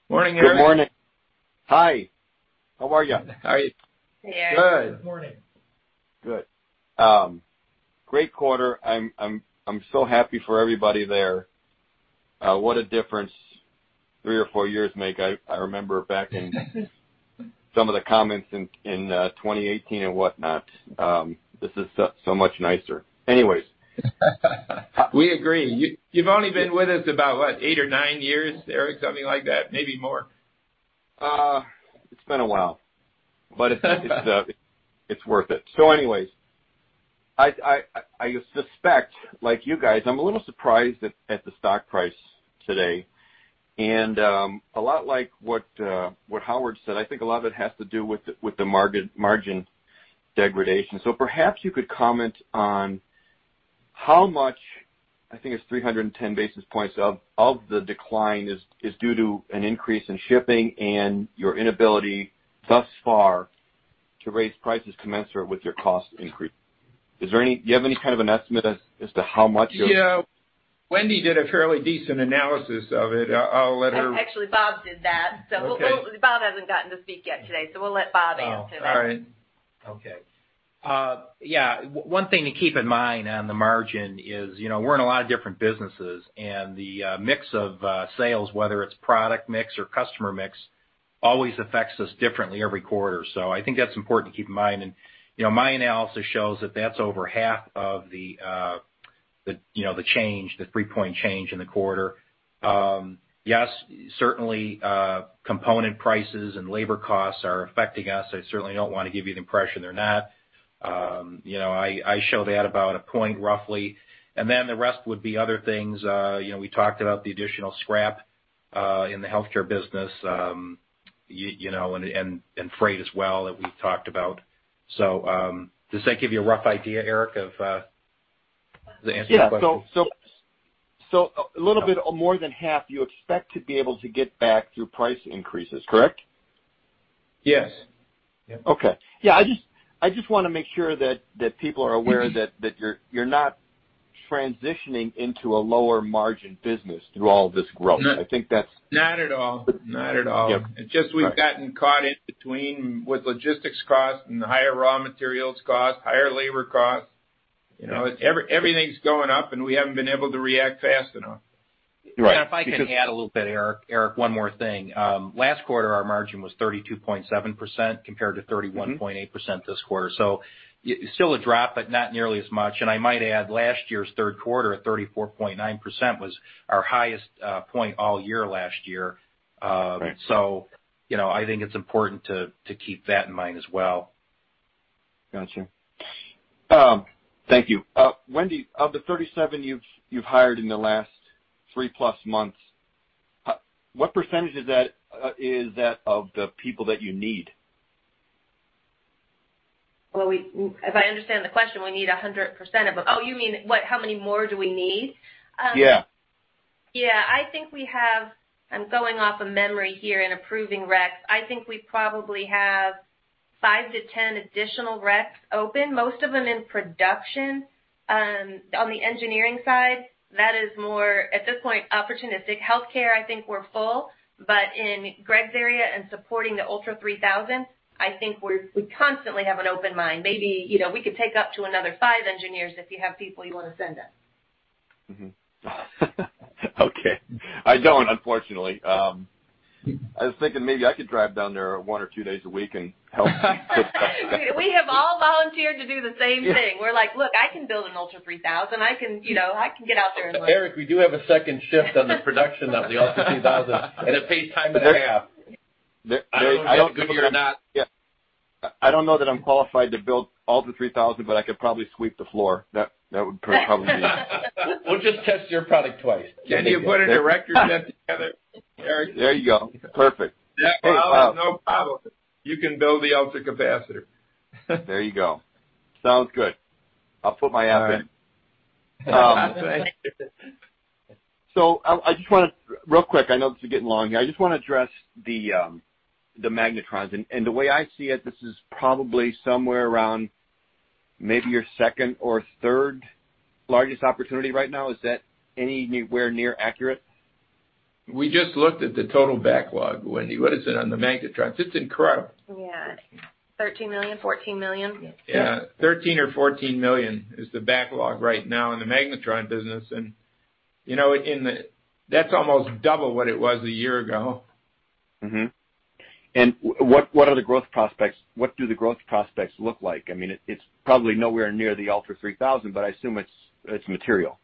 Morning, Eric. Good morning. Hi. How are you? How are you? Hey, Eric. Good morning. Good. Great quarter. I'm so happy for everybody there. What a difference three or four years make. I remember back in some of the comments in 2018 and whatnot. This is so much nicer. Anyways. We agree. You, you've only been with us about, what, eight or nine years, Eric? Something like that. Maybe more. It's been a while. It's worth it. Anyways. I suspect, like you guys, I'm a little surprised at the stock price today. A lot like what Howard said, I think a lot of it has to do with the margin degradation. Perhaps you could comment on how much, I think it's 310 basis points of the decline is due to an increase in shipping and your inability thus far to raise prices commensurate with your cost increase. Do you have any kind of an estimate as to how much of- Yeah. Wendy did a fairly decent analysis of it. I'll let her. Actually, Bob did that. Okay. Bob hasn't gotten to speak yet today, so we'll let Bob answer that. Oh, all right. Okay. One thing to keep in mind on the margin is, you know, we're in a lot of different businesses, and the mix of sales, whether it's product mix or customer mix, always affects us differently every quarter. I think that's important to keep in mind. You know, my analysis shows that that's over half of the change, the three point change in the quarter. Yes, certainly, component prices and labor costs are affecting us. I certainly don't wanna give you the impression they're not. You know, I show that about a point roughly, and then the rest would be other things. You know, we talked about the additional scrap in the healthcare business, you know, and freight as well, that we've talked about. Does that give you a rough idea, Eric? Does that answer your question? Yeah. A little bit more than half you expect to be able to get back through price increases, correct? Yes. Yeah. Okay. Yeah, I just want to make sure that you're not transitioning into a lower margin business through all this growth. No. I think that's- Not at all. Not at all. Yep. All right. It's just we've gotten caught in between with logistics costs and higher raw materials costs, higher labor costs. You know, everything's going up, and we haven't been able to react fast enough. Right. If I can add a little bit, Eric. Eric, one more thing. Last quarter, our margin was 32.7% compared to 31- Mm-hmm 0.8% this quarter. Still a drop, but not nearly as much. I might add, last year's third quarter, 34.9% was our highest point all year last year. Right... you know, I think it's important to keep that in mind as well. Gotcha. Thank you. Wendy, of the 37 you've hired in the last 3+ months, what percentage is that of the people that you need? If I understand the question, we need 100% of them. Oh, you mean what, how many more do we need? Yeah. Yeah. I think we have. I'm going off of memory here and approving recs. I think we probably have 5-10 additional recs open, most of them in production. On the engineering side, that is more, at this point, opportunistic. Healthcare, I think we're full. In Greg's area and supporting the ULTRA3000, I think we constantly have an open mind. Maybe, you know, we could take up to another 5 engineers if you have people you wanna send us. Okay. I don't, unfortunately. I was thinking maybe I could drive down there one or two days a week and help. We have all volunteered to do the same thing. We're like, "Look, I can build an ULTRA3000. I can, you know, I can get out there and like. Eric, we do have a second shift on the production of the ULTRA3000, and it pays time and a half. I don't know that I'm. I don't know if it's good for you or not. Yeah. I don't know that I'm qualified to build ULTRA3000, but I could probably sweep the floor. That would probably be- We'll just test your product twice. Can you put a director set together, Eric? There you go. Perfect. Yeah, Bob, no problem. You can build the ultracapacitor. There you go. Sounds good. I'll put my app in. All right. I just wanna real quick, I know this is getting long here. I just wanna address the magnetrons. The way I see it, this is probably somewhere around maybe your second or third largest opportunity right now. Is that anywhere near accurate? We just looked at the total backlog, Wendy. What is it on the magnetron? It's incredible. Yeah. $13 million, $14 million. Yeah. $13 million-$14 million is the backlog right now in the magnetron business. You know, that's almost double what it was a year ago. What do the growth prospects look like? I mean, it's probably nowhere near the ULTRA3000, but I assume it's material.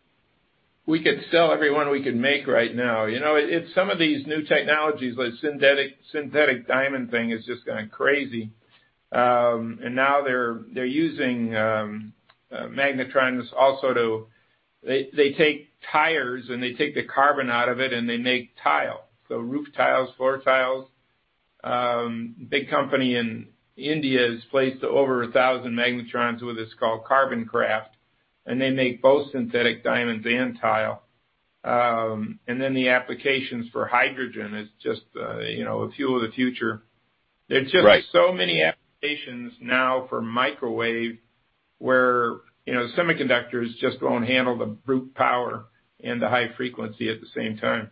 We could sell every one we can make right now. You know, it's some of these new technologies, like synthetic diamond thing is just going crazy. Now they're using magnetrons also. They take tires, and they take the carbon out of it, and they make tile, so roof tiles, floor tiles. Big company in India has placed over 1,000 magnetrons with this, called CarbonCraft, and they make both synthetic diamonds and tile. The applications for hydrogen is just, you know, a fuel of the future. Right. There are just so many applications now for microwave where, you know, semiconductors just won't handle the brute power and the high frequency at the same time.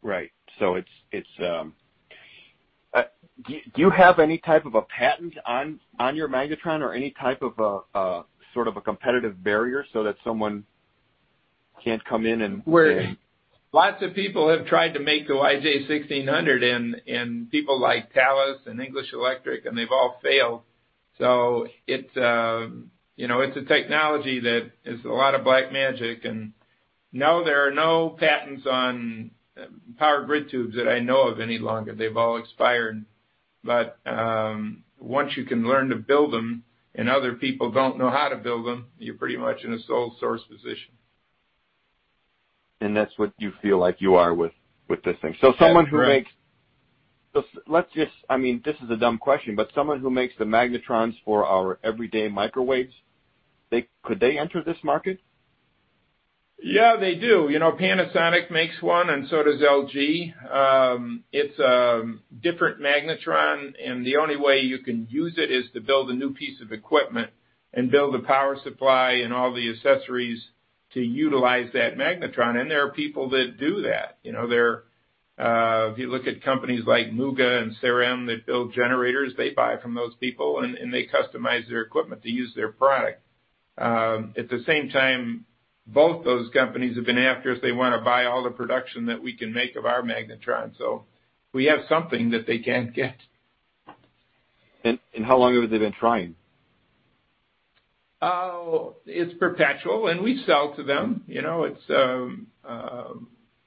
Right. Do you have any type of a patent on your magnetron or any type of a sort of a competitive barrier so that someone can't come in and? Well, lots of people have tried to make the YJ1600, and people like Thales and English Electric, and they've all failed. It's you know, it's a technology that is a lot of black magic. No, there are no patents on power grid tubes that I know of any longer. They've all expired. Once you can learn to build them and other people don't know how to build them, you're pretty much in a sole source position. That's what you feel like you are with this thing. That's correct. Let's just, I mean, this is a dumb question, but someone who makes the magnetrons for our everyday microwaves, they could enter this market? Yeah, they do. You know, Panasonic makes one, and so does LG. It's a different magnetron, and the only way you can use it is to build a new piece of equipment and build a power supply and all the accessories to utilize that magnetron. There are people that do that. You know, there, if you look at companies like Muegge and SAIREM that build generators, they buy from those people, and they customize their equipment to use their product. At the same time, both those companies have been after us. They wanna buy all the production that we can make of our magnetron. We have something that they can't get. How long have they been trying? Oh, it's perpetual, and we sell to them. You know, it's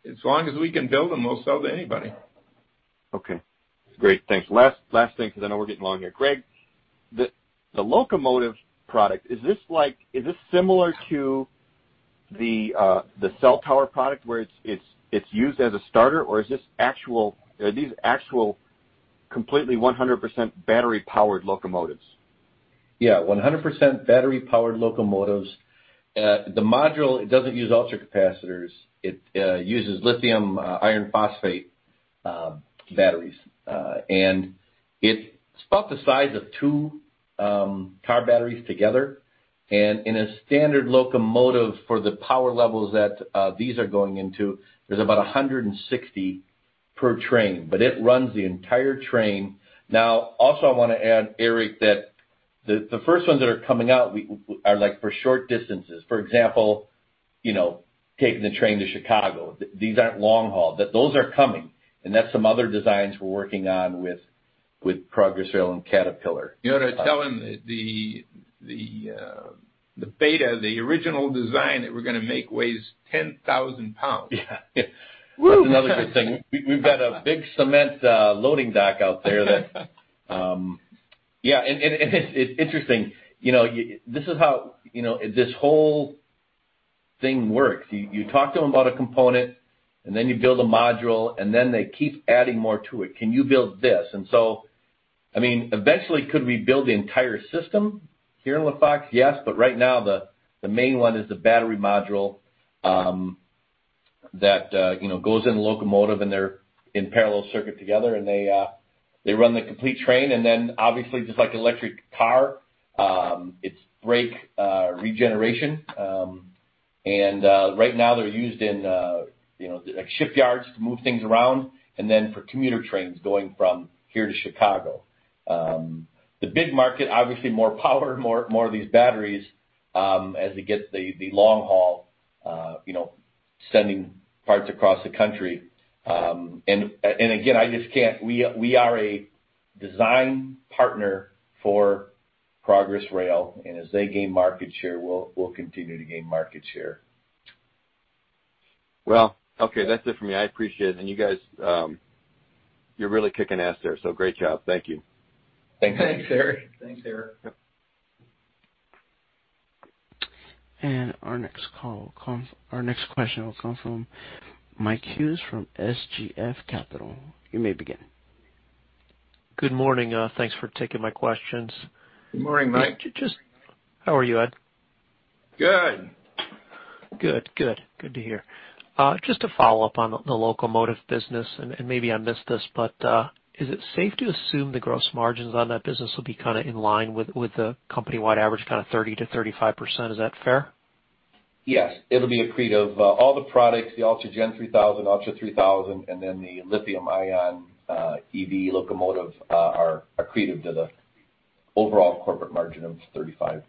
as long as we can build them, we'll sell to anybody. Okay. Great. Thanks. Last thing, because I know we're getting long here. Greg, the locomotive product, is this similar to the cell tower product, where it's used as a starter, or are these actual completely 100% battery-powered locomotives? Yeah, 100% battery-powered locomotives. The module, it doesn't use ultracapacitors. It uses lithium iron phosphate batteries. It's about the size of two car batteries together. In a standard locomotive for the power levels that these are going into, there's about 160 per train, but it runs the entire train. Now, also I wanna add, Eric, that the first ones that are coming out are like for short distances. For example, you know, taking the train to Chicago. These aren't long haul. Those are coming, and that's some other designs we're working on with Progress Rail and Caterpillar. You ought to tell him that the beta, the original design that we're gonna make weighs 10,000 pounds. Yeah. Whoo. That's another good thing. We've got a big cement loading dock out there that. Yeah, it's interesting. You know, this is how, you know, this whole thing works. You talk to them about a component, and then you build a module, and then they keep adding more to it. "Can you build this?" I mean, eventually, could we build the entire system here in LaFox? Yes. Right now, the main one is the battery module that, you know, goes in the locomotive, and they're in parallel circuit together, and they run the complete train. Then obviously, just like an electric car, it's brake regeneration. Right now they're used in, you know, like shipyards to move things around and then for commuter trains going from here to Chicago. The big market, obviously more power, more of these batteries, as we get the long haul, you know, sending parts across the country. Again, we are a design partner for Progress Rail, and as they gain market share, we'll continue to gain market share. Well, okay. That's it for me. I appreciate it. You guys, you're really kicking ass there, so great job. Thank you. Thanks. Thanks, Eric. Yep. Our next question will come from Mike Hughes from SGF Capital. You may begin. Good morning. Thanks for taking my questions. Good morning, Mike. How are you, Ed? Good. Good. Good to hear. Just to follow up on the locomotive business, and maybe I missed this, but is it safe to assume the gross margins on that business will be kind of in line with the company-wide average, kind of 30%-35%? Is that fair? Yes. It'll be accretive. All the products, the ULTRAGEN3000, ULTRA3000, and then the lithium ion EV locomotive, are accretive to the overall corporate margin of 35%+.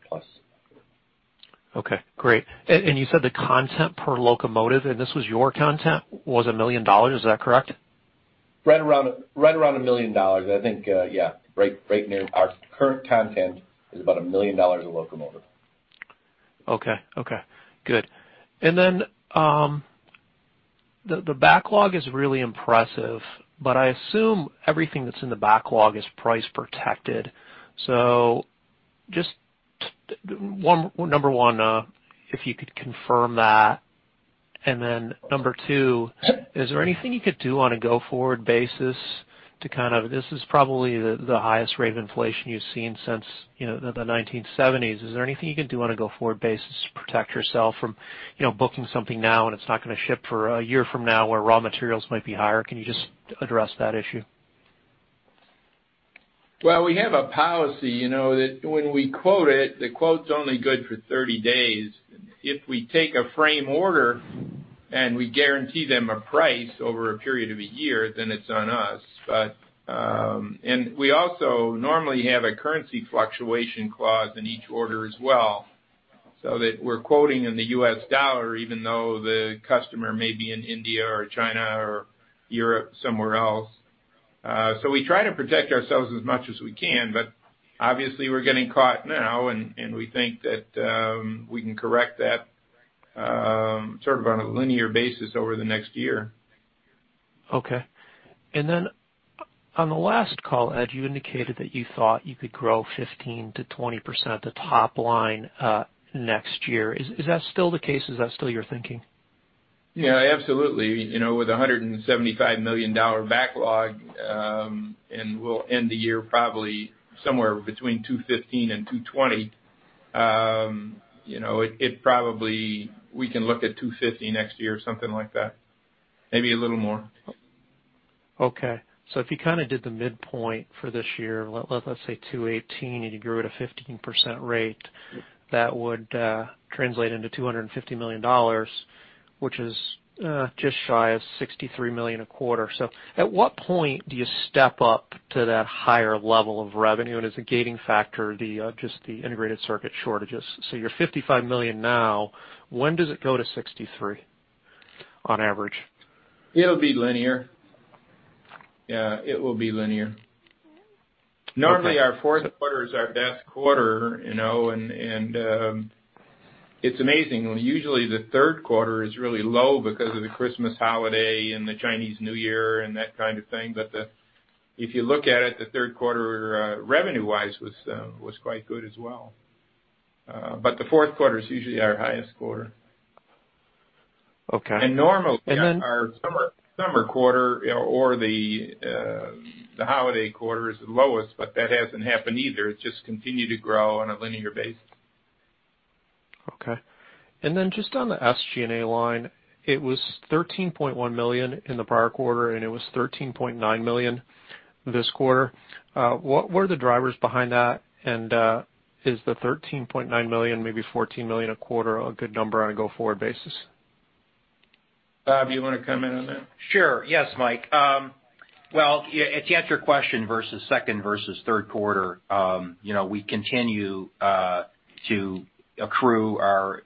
Okay, great. You said the content per locomotive, and this was your content, was $1 million. Is that correct? Right around $1 million. I think, yeah, right near our current cost is about $1 million a locomotive. Okay. Okay, good. The backlog is really impressive, but I assume everything that's in the backlog is price protected. Just number one, if you could confirm that. Number two, this is probably the highest rate of inflation you've seen since, you know, the 1970s. Is there anything you can do on a go-forward basis to protect yourself from, you know, booking something now and it's not gonna ship for a year from now where raw materials might be higher? Can you just address that issue? Well, we have a policy, you know, that when we quote it, the quote's only good for 30 days. If we take a firm order and we guarantee them a price over a period of a year, then it's on us. We also normally have a currency fluctuation clause in each order as well, so that we're quoting in the U.S. dollar, even though the customer may be in India or China or Europe, somewhere else. We try to protect ourselves as much as we can, but obviously, we're getting caught now and we think that we can correct that, sort of on a linear basis over the next year. Okay. Then on the last call, Ed, you indicated that you thought you could grow 15%-20% the top line next year. Is that still the case? Is that still your thinking? Yeah, absolutely. You know, with a $175 million backlog, and we'll end the year probably somewhere between $215 million and $220 million, you know, it probably. We can look at $250 million next year or something like that. Maybe a little more. Okay. If you kinda did the midpoint for this year, let's say 218, and you grew at a 15% rate, that would translate into $250 million, which is just shy of $63 million a quarter. At what point do you step up to that higher level of revenue and is the gating factor just the integrated circuit shortages? You're $55 million now. When does it go to $63 on average? It'll be linear. Yeah, it will be linear. Okay. Normally, our fourth quarter is our best quarter, you know, and it's amazing. When usually the third quarter is really low because of the Christmas holiday and the Chinese New Year and that kind of thing. If you look at it, the third quarter revenue-wise was quite good as well. The fourth quarter is usually our highest quarter. Okay. Normally. And then- Our summer quarter or the holiday quarter is the lowest, but that hasn't happened either. It's just continued to grow on a linear basis. Okay. Just on the SG&A line, it was $13.1 million in the prior quarter, and it was $13.9 million this quarter. What were the drivers behind that? Is the $13.9 million, maybe $14 million a quarter, a good number on a go-forward basis? Bob, do you wanna come in on that? Sure. Yes, Mike. To answer your question versus second versus third quarter, you know, we continue to accrue our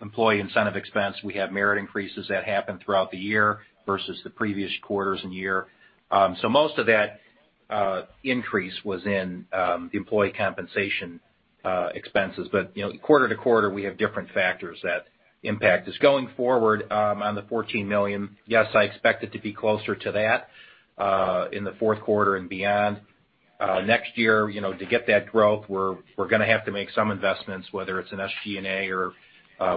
employee incentive expense. We have merit increases that happen throughout the year versus the previous quarters and year. So most of that increase was in the employee compensation expenses. You know, quarter to quarter, we have different factors that impact this. Going forward, on the $14 million, yes, I expect it to be closer to that in the fourth quarter and beyond. Next year, you know, to get that growth, we're gonna have to make some investments, whether it's in SG&A or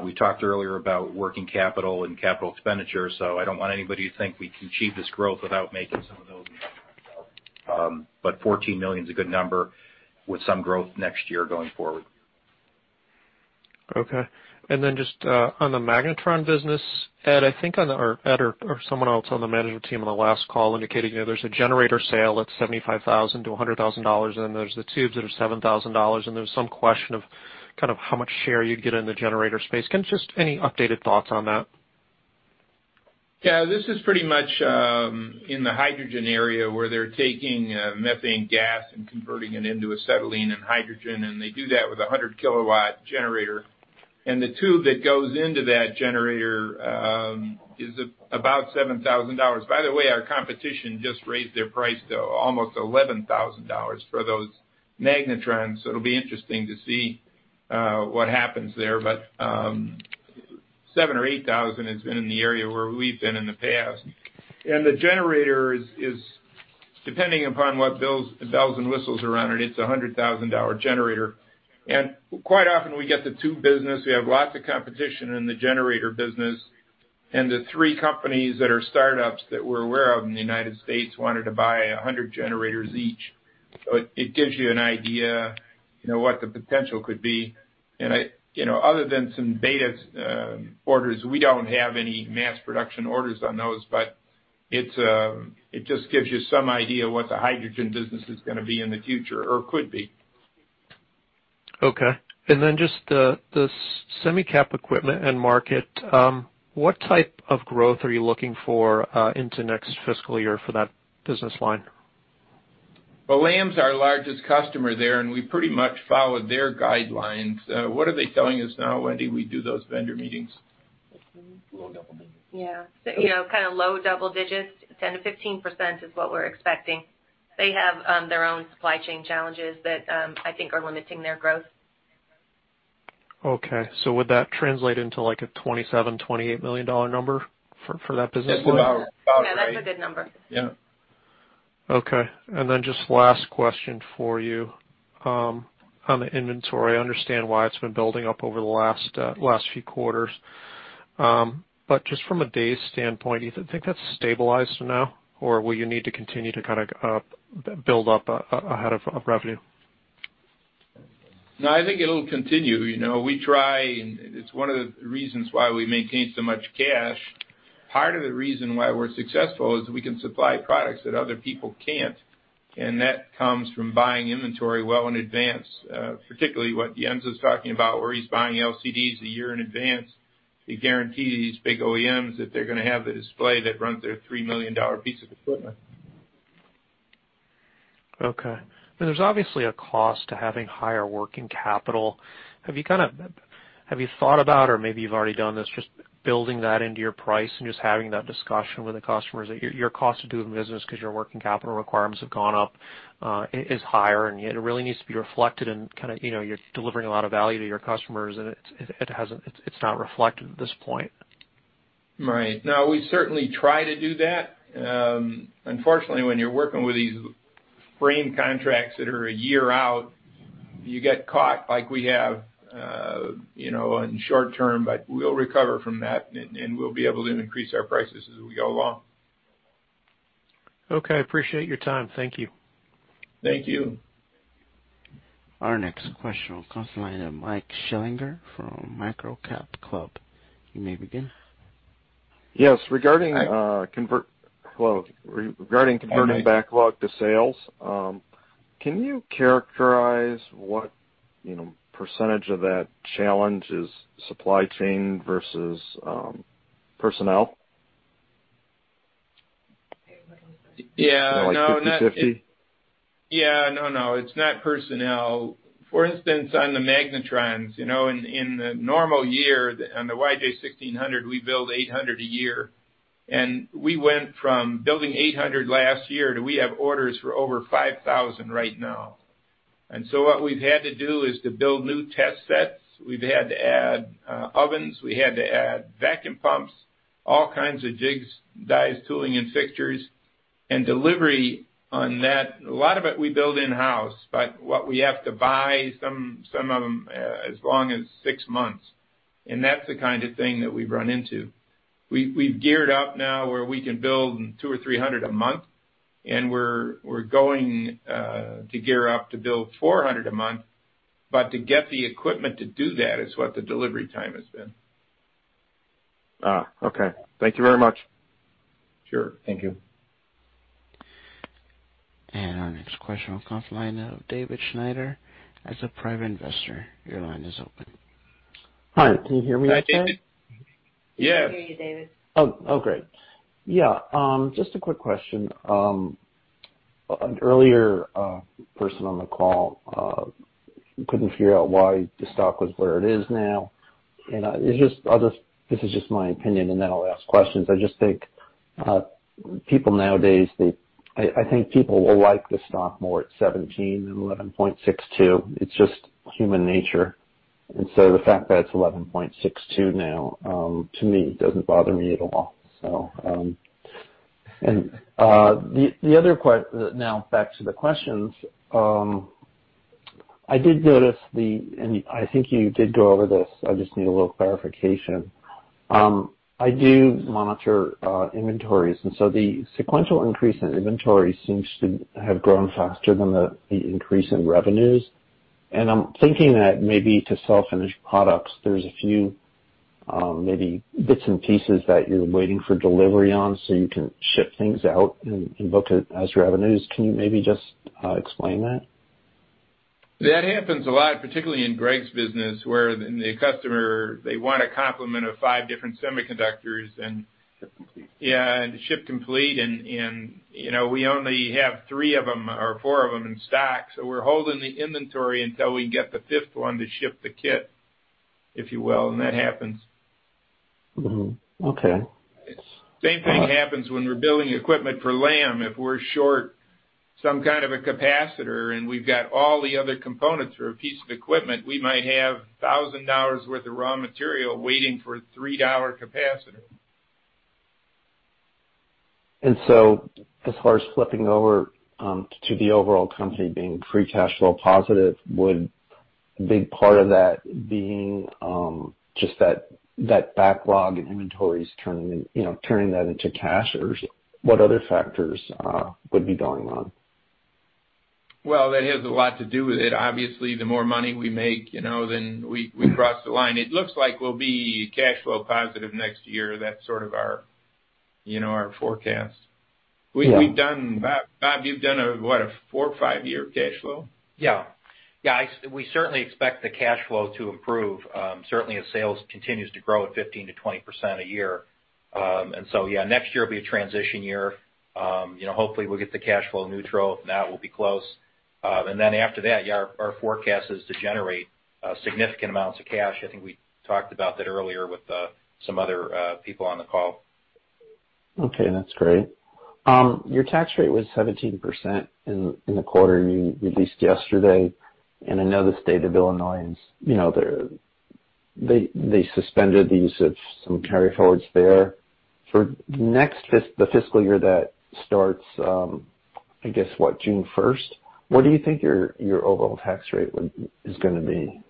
we talked earlier about working capital and capital expenditures, so I don't want anybody to think we can achieve this growth without making some of those investments. $14 million is a good number with some growth next year going forward. Okay. Just on the magnetron business, Ed, I think Ed or someone else on the management team on the last call indicated, you know, there's a generator sale that's $75,000-$100,000, and then there's the tubes that are $7,000, and there's some question of kind of how much share you get in the generator space. Just any updated thoughts on that? Yeah. This is pretty much in the hydrogen area where they're taking methane gas and converting it into acetylene and hydrogen, and they do that with a 100 kW generator. The tube that goes into that generator is about $7,000. By the way, our competition just raised their price to almost $11,000 for those magnetrons. It'll be interesting to see what happens there. $7,000 or $8,000 has been in the area where we've been in the past. The generator is depending upon what bells and whistles are on it. It's a $100,000 generator. Quite often we get the tube business. We have lots of competition in the generator business. The three companies that are startups that we're aware of in the U.S. wanted to buy 100 generators each. It gives you an idea, you know, what the potential could be. You know, other than some beta orders, we don't have any mass production orders on those, but it just gives you some idea what the hydrogen business is gonna be in the future or could be. Okay. Just the semicap equipment end market, what type of growth are you looking for into next fiscal year for that business line? Well, Lam's our largest customer there, and we pretty much followed their guidelines. What are they telling us now, Wendy? We do those vendor meetings? Yeah. You know, kinda low double digits, 10%-15% is what we're expecting. They have their own supply chain challenges that I think are limiting their growth. Would that translate into like a $27-$28 million number for that business? Yes. About right. Yeah, that's a good number. Yeah. Okay. Just last question for you. On the inventory, I understand why it's been building up over the last few quarters. Just from a day standpoint, do you think that's stabilized now, or will you need to continue to kinda build up ahead of revenue? No, I think it'll continue. You know, we try, and it's one of the reasons why we maintain so much cash. Part of the reason why we're successful is we can supply products that other people can't, and that comes from buying inventory well in advance, particularly what Jens is talking about, where he's buying LCDs a year in advance. It guarantees big OEMs that they're gonna have the display that runs their $3 million piece of equipment. Okay. There's obviously a cost to having higher working capital. Have you thought about, or maybe you've already done this, just building that into your price and just having that discussion with the customers that your cost of doing business 'cause your working capital requirements have gone up, it is higher, and it really needs to be reflected in kinda, you know, you're delivering a lot of value to your customers, and it hasn't, it's not reflected at this point. Right. No, we certainly try to do that. Unfortunately, when you're working with these frame contracts that are a year out, you get caught like we have, you know, on short term, but we'll recover from that and we'll be able to increase our prices as we go along. Okay. I appreciate your time. Thank you. Thank you. Our next question will come from the line of Mike Schellinger from MicroCapClub. You may begin. Yes. Regarding Hi. Hello. Regarding converting Hi, Mike. Backlog to sales, can you characterize what, you know, percentage of that challenge is supply chain versus personnel? Yeah. No. Like 50/50. Yeah. No, no. It's not personnel. For instance, on the magnetrons, you know, in a normal year on the YJ-1600, we build 800 a year. We went from building 800 last year to we have orders for over 5,000 right now. What we've had to do is to build new test sets. We've had to add ovens. We had to add vacuum pumps, all kinds of jigs, dyes, tooling and fixtures. Delivery on that, a lot of it we build in-house, but what we have to buy, some of them, as long as six months. That's the kind of thing that we've run into. We've geared up now where we can build two or three hundred a month, and we're going to gear up to build 400 a month. To get the equipment to do that is what the delivery time has been. Okay. Thank you very much. Sure. Thank you. Our next question will come from the line of David Schneider as a private investor. Your line is open. Hi. Can you hear me okay? Yeah. We can hear you, David. Just a quick question. Earlier, person on the call couldn't figure out why the stock was where it is now. It's just my opinion, and then I'll ask questions. I just think people nowadays will like the stock more at $17 than $11.62. It's just human nature. The fact that it's $11.62 now, to me, doesn't bother me at all. Now back to the questions. I did notice. I think you did go over this. I just need a little clarification. I do monitor inventories, and so the sequential increase in inventory seems to have grown faster than the increase in revenues. I'm thinking that maybe to sell finished products, there's a few maybe bits and pieces that you're waiting for delivery on so you can ship things out and book it as your revenues. Can you maybe just explain that? That happens a lot, particularly in Greg's business, where the customer, they want a complement of five different semiconductors and Ship complete. Yeah, ship complete and you know, we only have three of them or four of them in stock, so we're holding the inventory until we get the 5th one to ship the kit, if you will, and that happens. Okay. Same thing happens when we're building equipment for Lam. If we're short some kind of a capacitor and we've got all the other components for a piece of equipment, we might have $1,000 worth of raw material waiting for a $3 capacitor. As far as flipping over to the overall company being free cash flow positive, would a big part of that being just that backlog inventories turning, you know, turning that into cash? Or what other factors would be going on? Well, that has a lot to do with it. Obviously, the more money we make, you know, then we cross the line. It looks like we'll be cash flow positive next year. That's sort of our, you know, our forecast. Yeah. Bob, you've done a what? A four, five year cash flow? Yeah. We certainly expect the cash flow to improve, certainly as sales continues to grow at 15%-20% a year. Yeah, next year will be a transition year. You know, hopefully, we'll get to cash flow neutral. If not, we'll be close. After that, yeah, our forecast is to generate significant amounts of cash. I think we talked about that earlier with some other people on the call. Okay, that's great. Your tax rate was 17% in the quarter you released yesterday. I know the state of Illinois, you know, they suspended the use of some carryforwards there. For the next fiscal year that starts, I guess, what? June first. What do you think your overall tax rate is gonna be?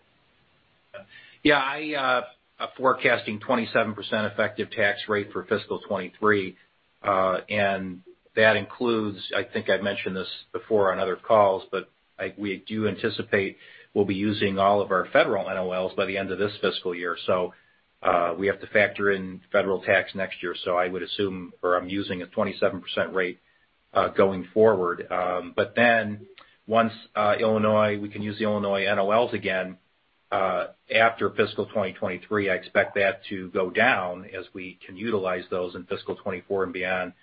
Yeah. I'm forecasting 27% effective tax rate for fiscal 2023. That includes, I think I've mentioned this before on other calls, but we do anticipate we'll be using all of our federal NOLs by the end of this fiscal year. We have to factor in federal tax next year. I would assume, or I'm using a 27% rate going forward. Once Illinois we can use the Illinois NOLs again after fiscal 2023, I expect that to go down as we can utilize those in fiscal 2024 and beyond.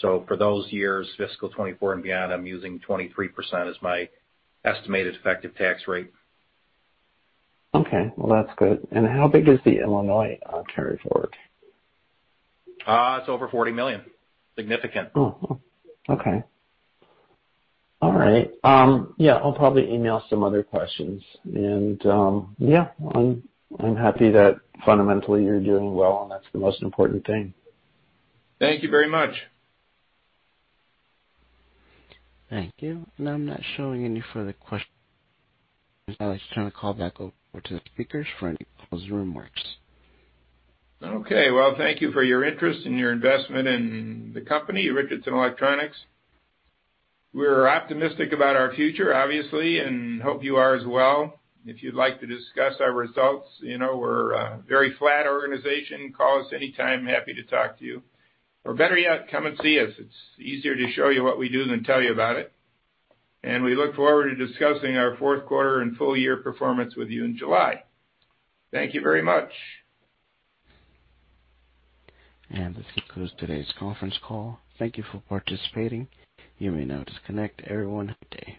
For those years, fiscal 2024 and beyond, I'm using 23% as my estimated effective tax rate. Okay. Well, that's good. How big is the Illinois carryforward? It's over $40 million. Significant. Oh. Okay. All right. Yeah, I'll probably email some other questions. Yeah, I'm happy that fundamentally you're doing well, and that's the most important thing. Thank you very much. Thank you. I'm not showing any further questions. I'll just turn the call back over to the speakers for any closing remarks. Okay. Well, thank you for your interest and your investment in the company, Richardson Electronics. We're optimistic about our future, obviously, and hope you are as well. If you'd like to discuss our results, you know we're a very flat organization, call us anytime. Happy to talk to you. Or better yet, come and see us. It's easier to show you what we do than tell you about it. We look forward to discussing our fourth quarter and full year performance with you in July. Thank you very much. This concludes today's conference call. Thank you for participating. You may now disconnect. Everyone, have a good day.